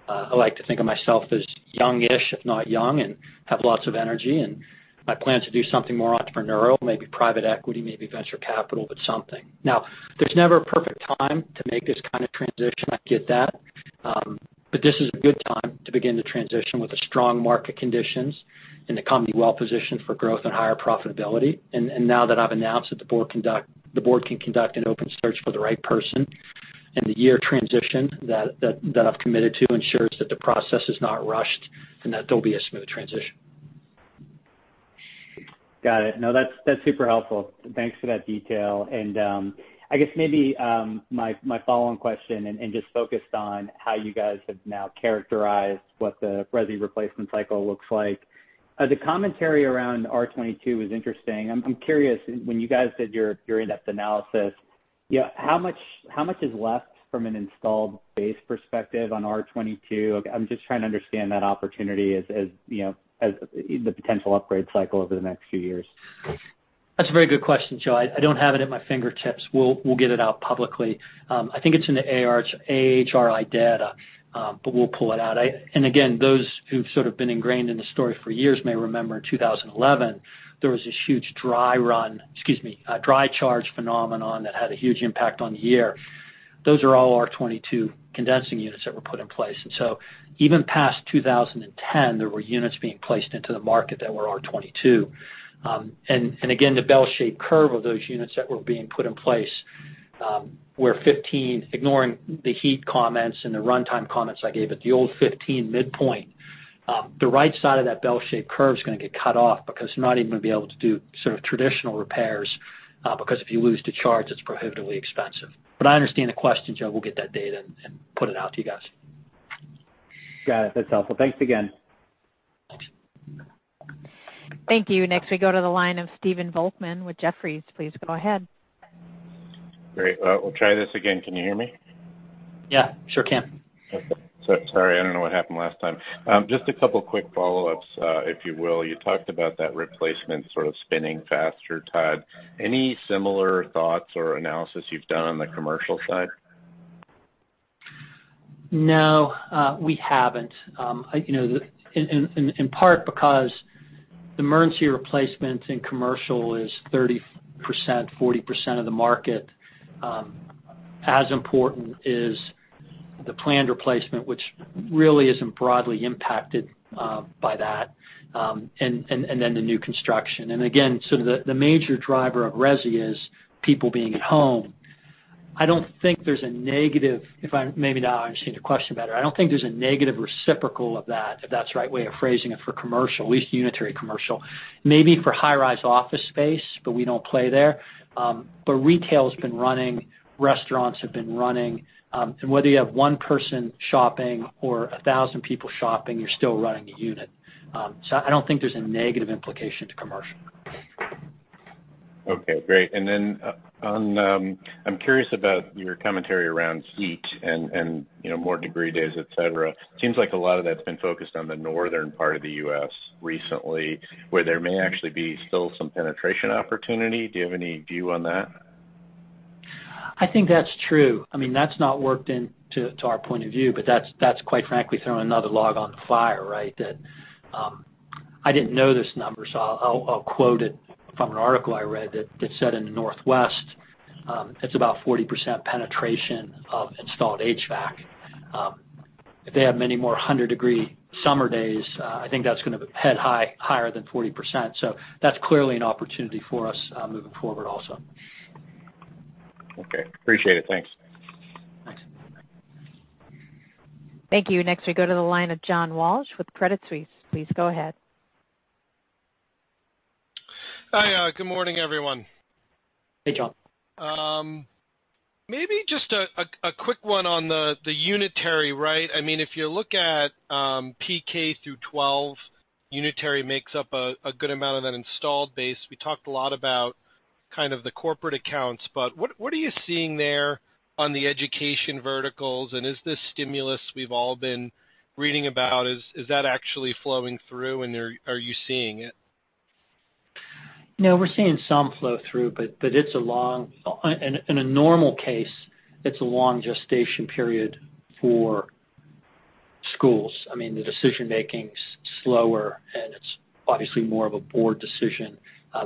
I like to think of myself as young-ish, if not young, and have lots of energy, and I plan to do something more entrepreneurial, maybe private equity, maybe venture capital, but something. Now, there's never a perfect time to make this kind of transition. I get that. This is a good time to begin the transition with the strong market conditions and the company well-positioned for growth and higher profitability. Now that I've announced that the board can conduct an open search for the right person, and the year transition that I've committed to ensures that the process is not rushed and that there'll be a smooth transition. Got it. No, that's super helpful. Thanks for that detail. I guess maybe my follow-on question and just focused on how you guys have now characterized what the resi replacement cycle looks like. The commentary around R22 was interesting. I'm curious, when you guys did your in-depth analysis, how much is left from an installed base perspective on R22? I'm just trying to understand that opportunity as the potential upgrade cycle over the next few years. That's a very good question, Joe. I don't have it at my fingertips. We'll get it out publicly. I think it's in the AHRI data, we'll pull it out. Again, those who've sort of been ingrained in the story for years may remember in 2011, there was this huge dry charge phenomenon that had a huge impact on the year. Those are all R22 condensing units that were put in place. Even past 2010, there were units being placed into the market that were R22. Again, the bell-shaped curve of those units that were being put in place, were 15, ignoring the heat comments and the runtime comments I gave, at the old 15 midpoint. The right side of that bell-shaped curve is going to get cut off because you're not even going to be able to do sort of traditional repairs, because if you lose the charge, it's prohibitively expensive. I understand the question, Joe. We'll get that data and put it out to you guys. Got it. That's helpful. Thanks again. Thanks. Thank you. Next, we go to the line of Stephen Volkmann with Jefferies. Please go ahead. Great. We'll try this again. Can you hear me? Yeah, sure can. Okay. Sorry, I don't know what happened last time. Just a couple of quick follow-ups, if you will. You talked about that replacement sort of spinning faster Todd. Any similar thoughts or analysis you've done on the commercial side? No, we haven't. In part because emergency replacement in commercial is 30%, 40% of the market. As important is the planned replacement, which really isn't broadly impacted by that, then the new construction. Again, the major driver of resi is people being at home. Maybe now I understand your question better. I don't think there's a negative reciprocal of that, if that's the right way of phrasing it for commercial, at least unitary commercial. Maybe for high-rise office space, we don't play there. Retail's been running, restaurants have been running. Whether you have one person shopping or 1,000 people shopping, you're still running a unit. I don't think there's a negative implication to commercial. Okay, great. I'm curious about your commentary around heat and more degree days, et cetera. It seems like a lot of that's been focused on the northern part of the U.S. recently, where there may actually be still some penetration opportunity. Do you have any view on that? I think that's true. That's not worked into our point of view, but that's quite frankly throwing another log on the fire, right. I didn't know this number, so I'll quote it from an article I read that said in the Northwest, it's about 40% penetration of installed HVAC. If they have many more 100-degree summer days, I think that's going to head higher than 40%. That's clearly an opportunity for us moving forward also. Okay. Appreciate it. Thanks. Thanks. Thank you. Next we go to the line of John Walsh with Credit Suisse. Please go ahead. Hi. Good morning, everyone. Hey, John. Maybe just a quick one on the unitary, right? I mean if you look at PK through 12, unitary makes up a good amount of that installed base. We talked a lot about kind of the corporate accounts, what are you seeing there on the education verticals? Is this stimulus we've all been reading about, is that actually flowing through, and are you seeing it? We're seeing some flow through, but in a normal case, it's a long gestation period for schools. The decision-making's slower, and it's obviously more of a board decision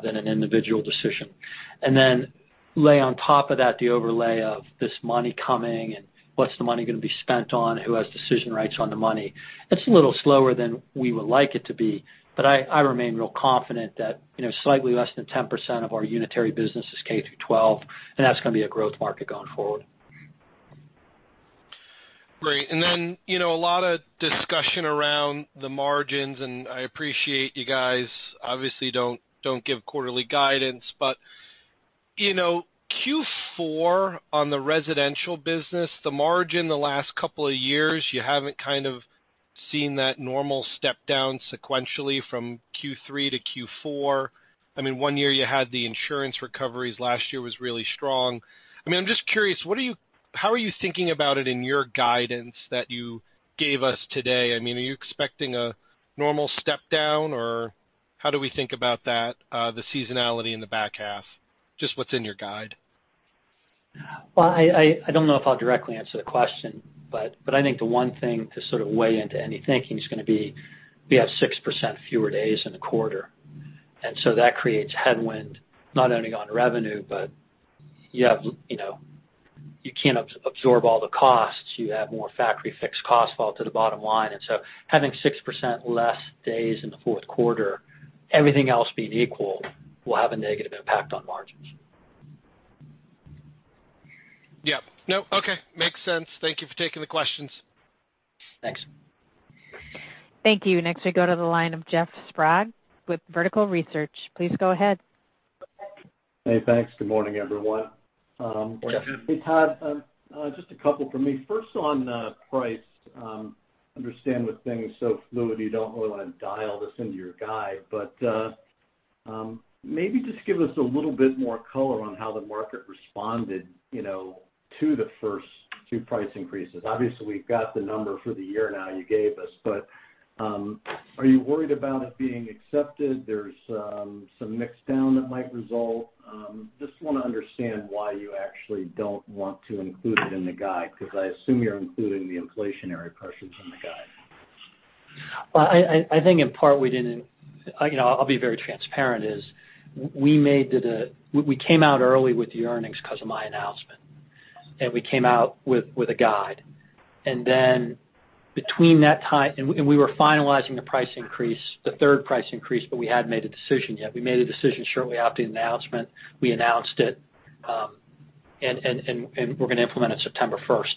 than an individual decision. Lay on top of that the overlay of this money coming and what's the money going to be spent on, who has decision rights on the money. It's a little slower than we would like it to be, but I remain real confident that slightly less than 10% of our unitary business is K-12, and that's going to be a growth market going forward. Great. Then, a lot of discussion around the margins, and I appreciate you guys obviously don't give quarterly guidance, but Q4 on the residential business, the margin the last couple of years, you haven't kind of seen that normal step down sequentially from Q3 to Q4. In 1 year, you had the insurance recoveries. Last year was really strong. I'm just curious, how are you thinking about it in your guidance that you gave us today? Are you expecting a normal step down, or how do we think about that, the seasonality in the back half? Just what's in your guide? Well, I don't know if I'll directly answer the question, but I think the one thing to sort of weigh into any thinking is going to be, we have 6% fewer days in a quarter. That creates headwind, not only on revenue, but you can't absorb all the costs. You have more factory fixed costs fall to the bottom line. Having 6% less days in the fourth quarter, everything else being equal, will have a negative impact on margins. Yep. No. Okay. Makes sense. Thank you for taking the questions. Thanks. Thank you. Next we go to the line of Jeff Sprague with Vertical Research. Please go ahead. Hey, thanks. Good morning, everyone. Good morning. Hey, Todd. Just a couple from me. First on price. Understand with things so fluid, you don't really want to dial this into your guide, but maybe just give us a little bit more color on how the market responded, you know, to the first two price increases. Obviously, we've got the number for the year now you gave us, but are you worried about it being accepted? There's some mix down that might result. Just want to understand why you actually don't want to include it in the guide, because I assume you're including the inflationary pressures in the guide. I'll be very transparent, is we came out early with the earnings because of my announcement, we came out with a guide. We were finalizing the price increase, the third price increase, but we hadn't made a decision yet. We made a decision shortly after the announcement. We announced it, and we're going to implement it September 1st.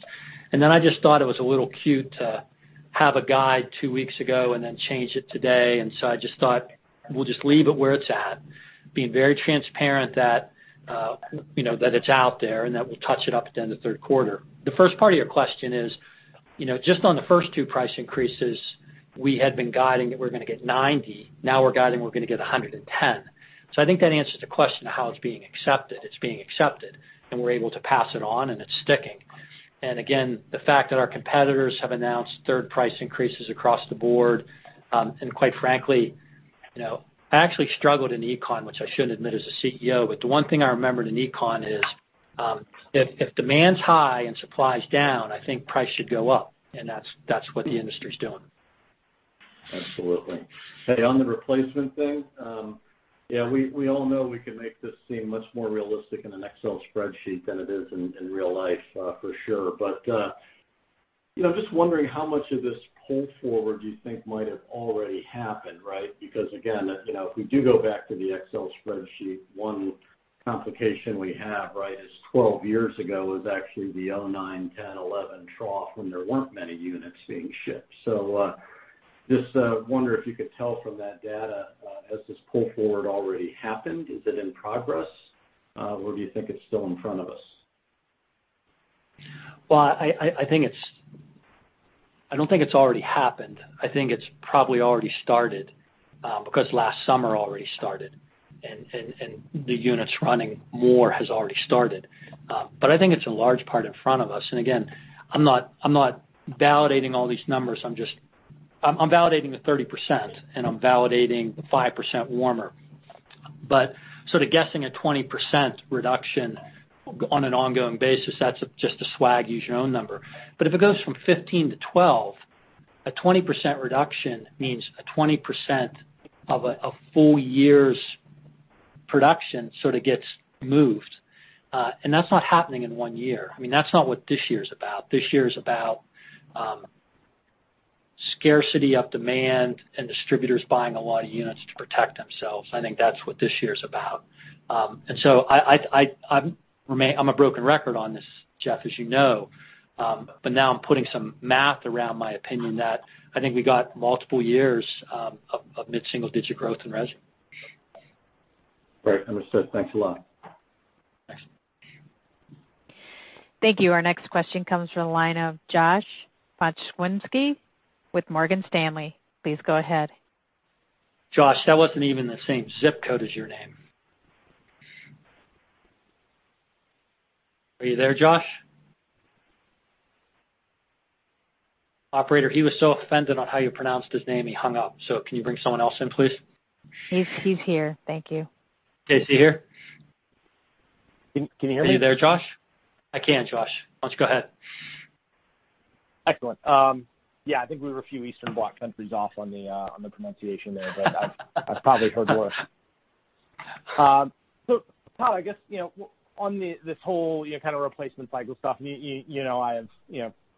I just thought it was a little cute to have a guide 2 weeks ago and then change it today. I just thought we'll just leave it where it's at, being very transparent that it's out there and that we'll touch it up then the third quarter. The first part of your question is, just on the first two price increases. We had been guiding that we're going to get $90. Now we're guiding we're going to get $110. I think that answers the question of how it's being accepted. It's being accepted, and we're able to pass it on and it's sticking. Again, the fact that our competitors have announced third price increases across the board. Quite frankly, I actually struggled in econ, which I shouldn't admit as a CEO, but the one thing I remembered in econ is, if demand's high and supply is down, I think price should go up, and that's what the industry's doing. Absolutely. Hey, on the replacement thing, yeah, we all know we can make this seem much more realistic in an Excel spreadsheet than it is in real life, for sure. Just wondering how much of this pull forward do you think might have already happened, right? Because again, if we do go back to the Excel spreadsheet, one complication we have right, is 12 years ago was actually the 2009, 2010, 2011 trough when there weren't many units being shipped. Just wonder if you could tell from that data, has this pull forward already happened? Is it in progress? Or do you think it's still in front of us? Well, I don't think it's already happened. I think it's probably already started, because last summer already started, and the units running more has already started. I think it's a large part in front of us. Again, I'm not validating all these numbers. I'm validating the 30%, and I'm validating the 5% warmer. Sort of guessing a 20% reduction on an ongoing basis, that's just a swag, use your own number. If it goes from 15 to 12, a 20% reduction means a 20% of a full year's production sort of gets moved. That's not happening in 1 year. That's not what this year is about. This year is about scarcity of demand and distributors buying a lot of units to protect themselves. I think that's what this year is about. I'm a broken record on this, Jeff, as you know. Now I'm putting some math around my opinion that I think we got multiple years of mid-single digit growth in resi. Great. Understood. Thanks a lot. Thanks. Thank you. Our next question comes from the line of Josh Pokrzywinski with Morgan Stanley. Please go ahead. Josh, that wasn't even the same zip code as your name. Are you there, Josh? Operator, he was so offended on how you pronounced his name, he hung up. Can you bring someone else in, please? He's here. Thank you. Okay, is he here? Can you hear me? Are you there, Josh? I can, Josh. Why don't you go ahead? Excellent. Yeah, I think we have a few Eastern Bloc countries off on the pronunciation there, but I've probably heard worse. Todd, I guess, on this whole kind of replacement cycle stuff, you know I have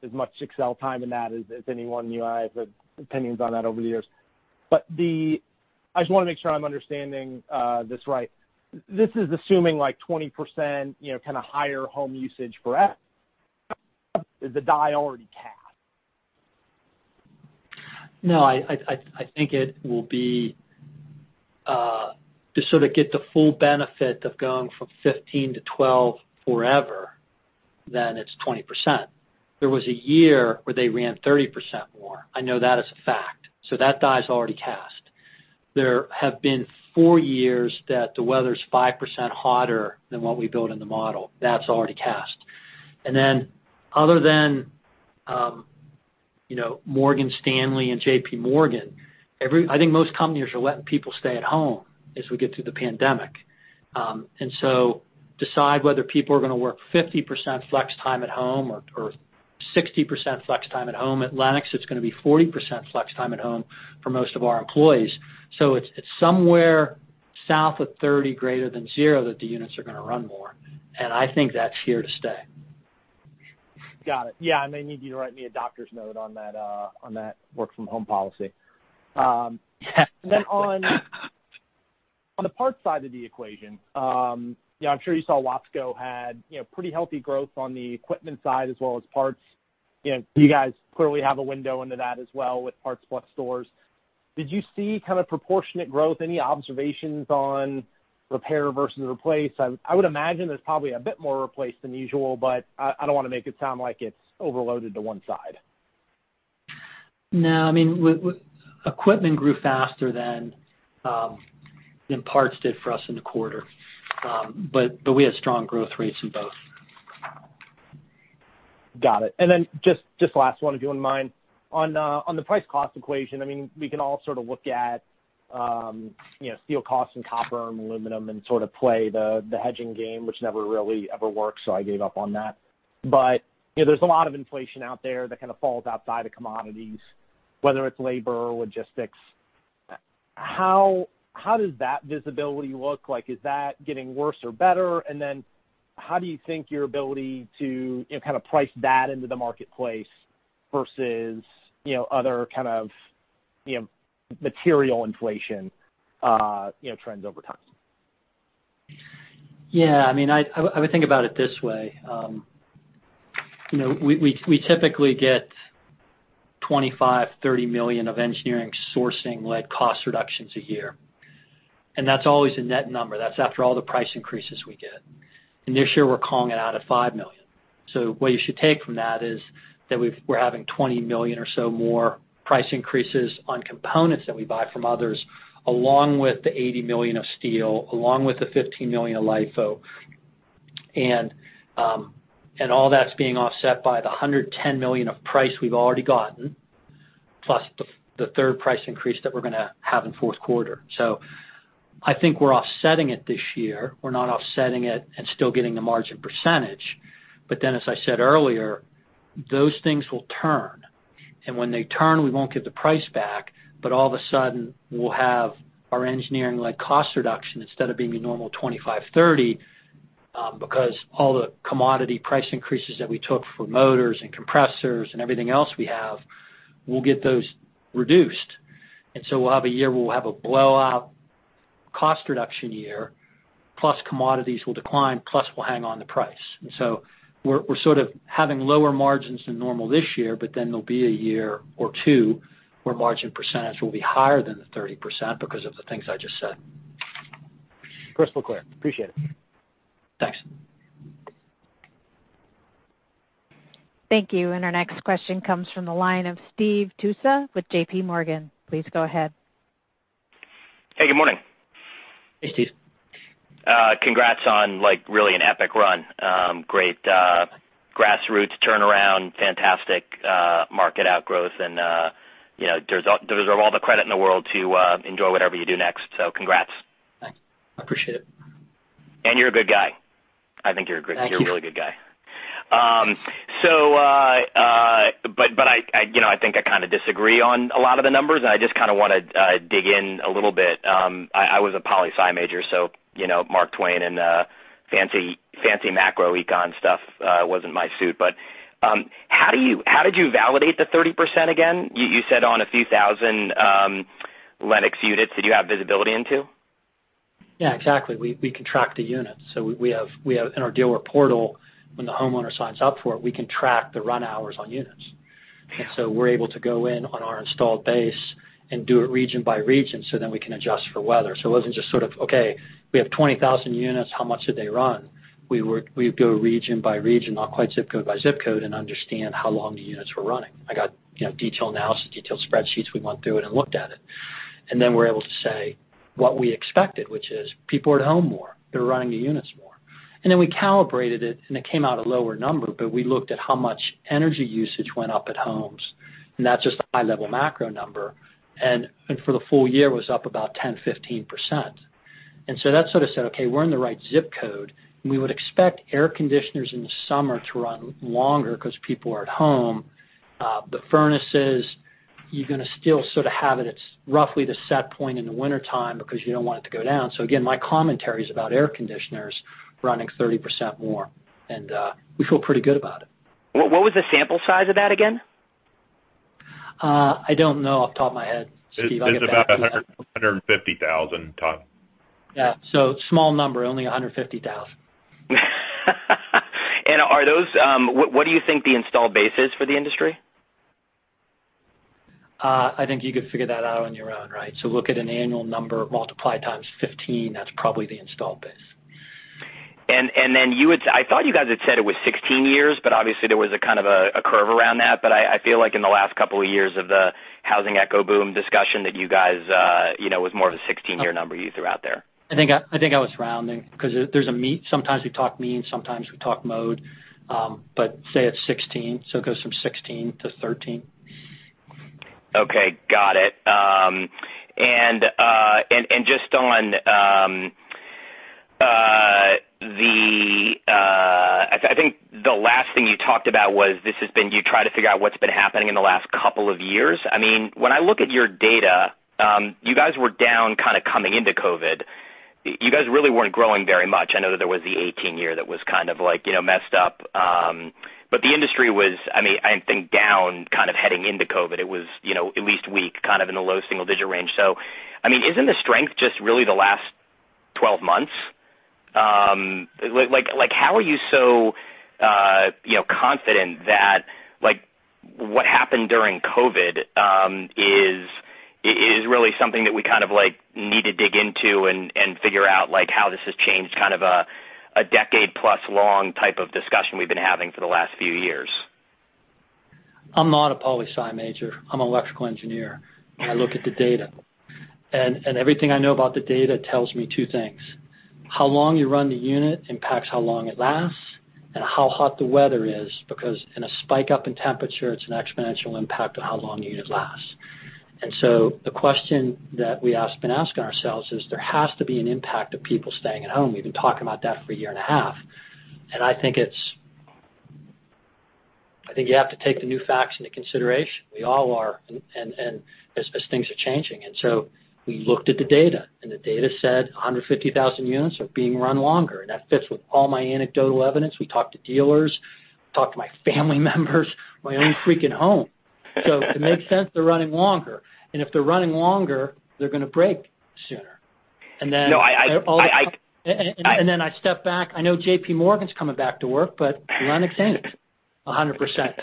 as much Excel time in that as anyone. I have opinions on that over the years. I just want to make sure I'm understanding this right. This is assuming like 20% kind of higher home usage forever. Is the die already cast? No, I think it will be to sort of get the full benefit of going from 15 to 12 forever, then it's 20%. There was a year where they ran 30% more. I know that as a fact. That die is already cast. There have been four years that the weather's 5% hotter than what we built in the model. That's already cast. Other than, you know, Morgan Stanley and JPMorgan, I think most companies are letting people stay at home as we get through the pandemic. Decide whether people are going to work 50% flex time at home or 60% flex time at home. At Lennox, it's going to be 40% flex time at home for most of our employees. It's somewhere south of 30, greater than zero that the units are going to run more, and I think that's here to stay. Got it. Yeah, I may need you to write me a doctor's note on that work from home policy. On the parts side of the equation, I'm sure you saw Watsco had pretty healthy growth on the equipment side as well as parts. You guys clearly have a window into that as well with PartsPlus stores. Did you see kind of proportionate growth? Any observations on repair versus replace? I would imagine there's probably a bit more replace than usual, but I don't want to make it sound like it's overloaded to one side. No, equipment grew faster than parts did for us in the quarter. We had strong growth rates in both. Got it. Just last one, if you wouldn't mind. On the price cost equation, we can all sort of look at steel costs and copper and aluminum and sort of play the hedging game, which never really ever works, so I gave up on that. There's a lot of inflation out there that kind of falls outside of commodities, whether it's labor or logistics. How does that visibility look like? Is that getting worse or better? How do you think your ability to kind of price that into the marketplace versus other kind of material inflation trends over time? Yeah, I would think about it this way. We typically get $25 million, $30 million of engineering sourcing-led cost reductions a year. That's always a net number. That's after all the price increases we get. This year we're calling it out at $5 million. What you should take from that is that we're having $20 million or so more price increases on components that we buy from others, along with the $80 million of steel, along with the $15 million of LIFO. All that's being offset by the $110 million of price we've already gotten, plus the third price increase that we're going to have in the fourth quarter. I think we're offsetting it this year. We're not offsetting it and still getting the margin percentage. As I said earlier, those things will turn, and when they turn, we won't get the price back, but all of a sudden, we'll have our engineering-led cost reduction instead of being the normal 25%, 30% because all the commodity price increases that we took for motors and compressors and everything else we have, we'll get those reduced. We'll have a year where we'll have a blowout cost reduction year, plus commodities will decline, plus we'll hang on the price. We're sort of having lower margins than normal this year, but then there'll be a year or two where margin percentage will be higher than the 30% because of the things I just said. Crystal clear. Appreciate it. Thanks. Thank you. Our next question comes from the line of Steve Tusa with JPMorgan. Please go ahead. Hey, good morning. Hey, Steve. Congrats on like really an epic run. Great grassroots turnaround, fantastic market outgrowth, and deserve all the credit in the world to enjoy whatever you do next. Congrats. Thanks. I appreciate it. You're a good guy. I think you're a really good guy. Thank you. I think I kind of disagree on a lot of the numbers, and I just kind of want to dig in a little bit. I was a poli sci major, so Mark Twain and fancy macro econ stuff wasn't my suit. How did you validate the 30% again, you said on a few thousand Lennox units that you have visibility into? Yeah, exactly. We can track the units. We have in our dealer portal, when the homeowner signs up for it, we can track the run hours on units. Yeah. We're able to go in on our installed base and do it region by region, so then we can adjust for weather. It wasn't just sort of, okay, we have 20,000 units, how much did they run? We would go region by region, not quite zip code by zip code, and understand how long the units were running. I got detailed analysis, detailed spreadsheets. We went through it and looked at it. Then, we're able to say what we expected, which is people are at home more. They're running the units more. Then, we calibrated it, and it came out a lower number, but we looked at how much energy usage went up at homes, and that's just a high-level macro number. For the full year was up about 10%-15%. That sort of said, okay, we're in the right zip code, and we would expect air conditioners in the summer to run longer because people are at home. Furnaces, you're going to still sort of have it at roughly the set point in the wintertime because you don't want it to go down. Again, my commentary is about air conditioners running 30% more, and we feel pretty good about it. What was the sample size of that again? I don't know off the top of my head, Steve. It's about 150,000, Todd. Yeah. Small number, only 150,000. What do you think the install base is for the industry? I think you could figure that out on your own, right? Look at an annual number, multiply it times 15, that's probably the installed base. I thought you guys had said it was 16 years, but obviously, there was a kind of a curve around that. I feel like in the last couple of years of the housing echo boom discussion that you guys, it was more of a 16-year number you threw out there. I think I was rounding because sometimes we talk mean, sometimes we talk mode. Say it's 16, so it goes from 16 to 13. Okay. Got it. I think the last thing you talked about was, you try to figure out what's been happening in the last couple of years. When I look at your data, you guys were down kind of coming into COVID. You guys really weren't growing very much. I know that there was the 18 year that was kind of messed up. The industry was, I think, down kind of heading into COVID. It was at least weak, kind of in the low single-digit range. Isn't the strength just really the last 12 months? How are you so confident that what happened during COVID is really something that we kind of need to dig into and figure out like how this has changed kind of a decade-plus long type of discussion we've been having for the last few years? I'm not a poli sci major. I'm an electrical engineer. I look at the data. Everything I know about the data tells me two things: how long you run the unit impacts how long it lasts, and how hot the weather is, because in a spike up in temperature, it's an exponential impact on how long the unit lasts. The question that we have been asking ourselves is there has to be an impact of people staying at home. We've been talking about that for a year and a half. I think you have to take the new facts into consideration. We all are, and as things are changing. We looked at the data, and the data said 150,000 units are being run longer, and that fits with all my anecdotal evidence. We talked to dealers, talked to my family members, my own freaking home. It makes sense they're running longer. If they're running longer, they're going to break sooner. No. I step back. I know JPMorgan's coming back to work, but Lennox ain't 100%.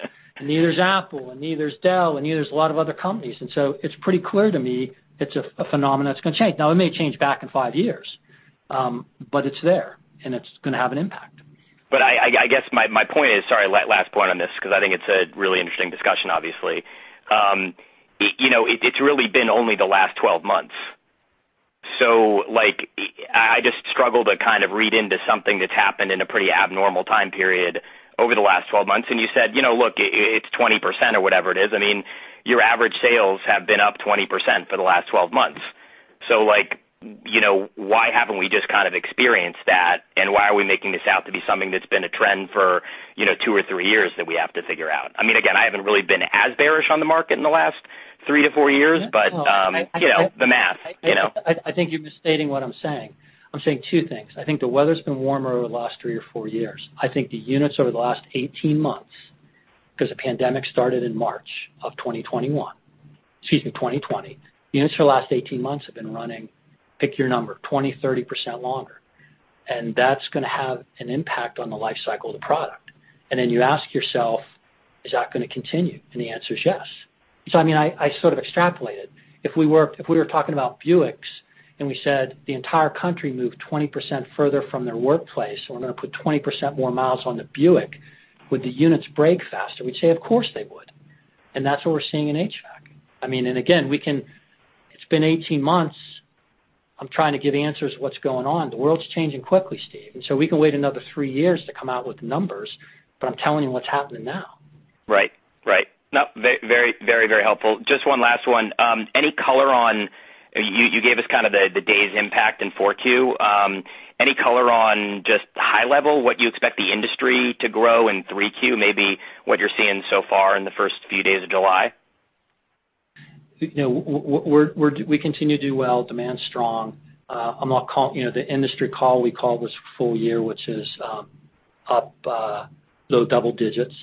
Neither is Apple, neither is Dell, neither is a lot of other companies. It's pretty clear to me it's a phenomenon that's going to change. Now, it may change back in 5 years, but it's there, and it's going to have an impact. I guess my point is, sorry, last point on this, because I think it's a really interesting discussion, obviously. It's really been only the last 12 months. I just struggle to kind of read into something that's happened in a pretty abnormal time period over the last 12 months. You said, "Look, it's 20%," or whatever it is. I mean, your average sales have been up 20% for the last 12 months. Why haven't we just kind of experienced that, and why are we making this out to be something that's been a trend for 2 or 3 years that we have to figure out? I mean, again, I haven't really been as bearish on the market in the last 3 to 4 years, but the math. I think you're misstating what I'm saying. I'm saying two things. I think the weather's been warmer over the last 3 or 4 years. I think the units over the last 18 months, because the pandemic started in March of 2020. The units for the last 18 months have been running, pick your number, 20%, 30% longer. That's going to have an impact on the life cycle of the product. Then, you ask yourself, is that going to continue? The answer is yes. I mean, I sort of extrapolated. If we were talking about Buicks and we said the entire country moved 20% further from their workplace, so we're going to put 20% more miles on the Buick, would the units break faster? We'd say, "Of course, they would." That's what we're seeing in HVAC. I mean, again, it's been 18 months. I'm trying to give answers to what's going on. The world's changing quickly, Steve. We can wait another three years to come out with numbers, but I'm telling you what's happening now. Right. Very helpful. Just one last one. You gave us kind of the day's impact in Q4. Any color on just high level what you expect the industry to grow in Q3, maybe what you're seeing so far in the first few days of July? We continue to do well. Demand's strong. The industry call we call was full year, which is up low double digits.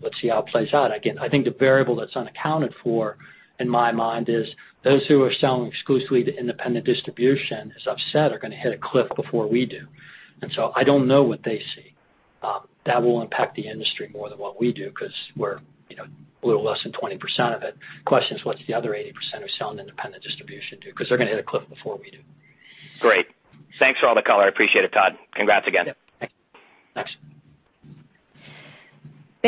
Let's see how it plays out. Again, I think the variable that's unaccounted for, in my mind, is those who are selling exclusively to independent distribution, as I've said, are going to hit a cliff before we do. I don't know what they see. That will impact the industry more than what we do because we're a little less than 20% of it. Question is, what's the other 80% who sell independent distribution do? They're going to hit a cliff before we do. Great. Thanks for all the color. I appreciate it, Todd. Congrats again. Yeah. Thanks.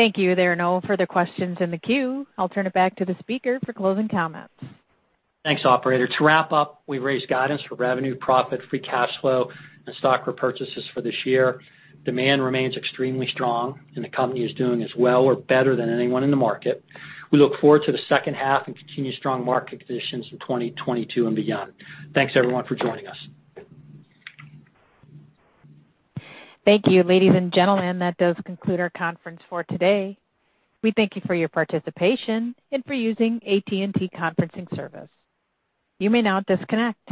Thank you. There are no further questions in the queue. I'll turn it back to the speaker for closing comments. Thanks, operator. To wrap up, we've raised guidance for revenue, profit, free cash flow, and stock repurchases for this year. Demand remains extremely strong, and the company is doing as well or better than anyone in the market. We look forward to the second half and continued strong market conditions in 2022 and beyond. Thanks, everyone, for joining us. Thank you. Ladies and gentlemen, that does conclude our conference for today. We thank you for your participation and for using AT&T Conferencing Service. You may now disconnect.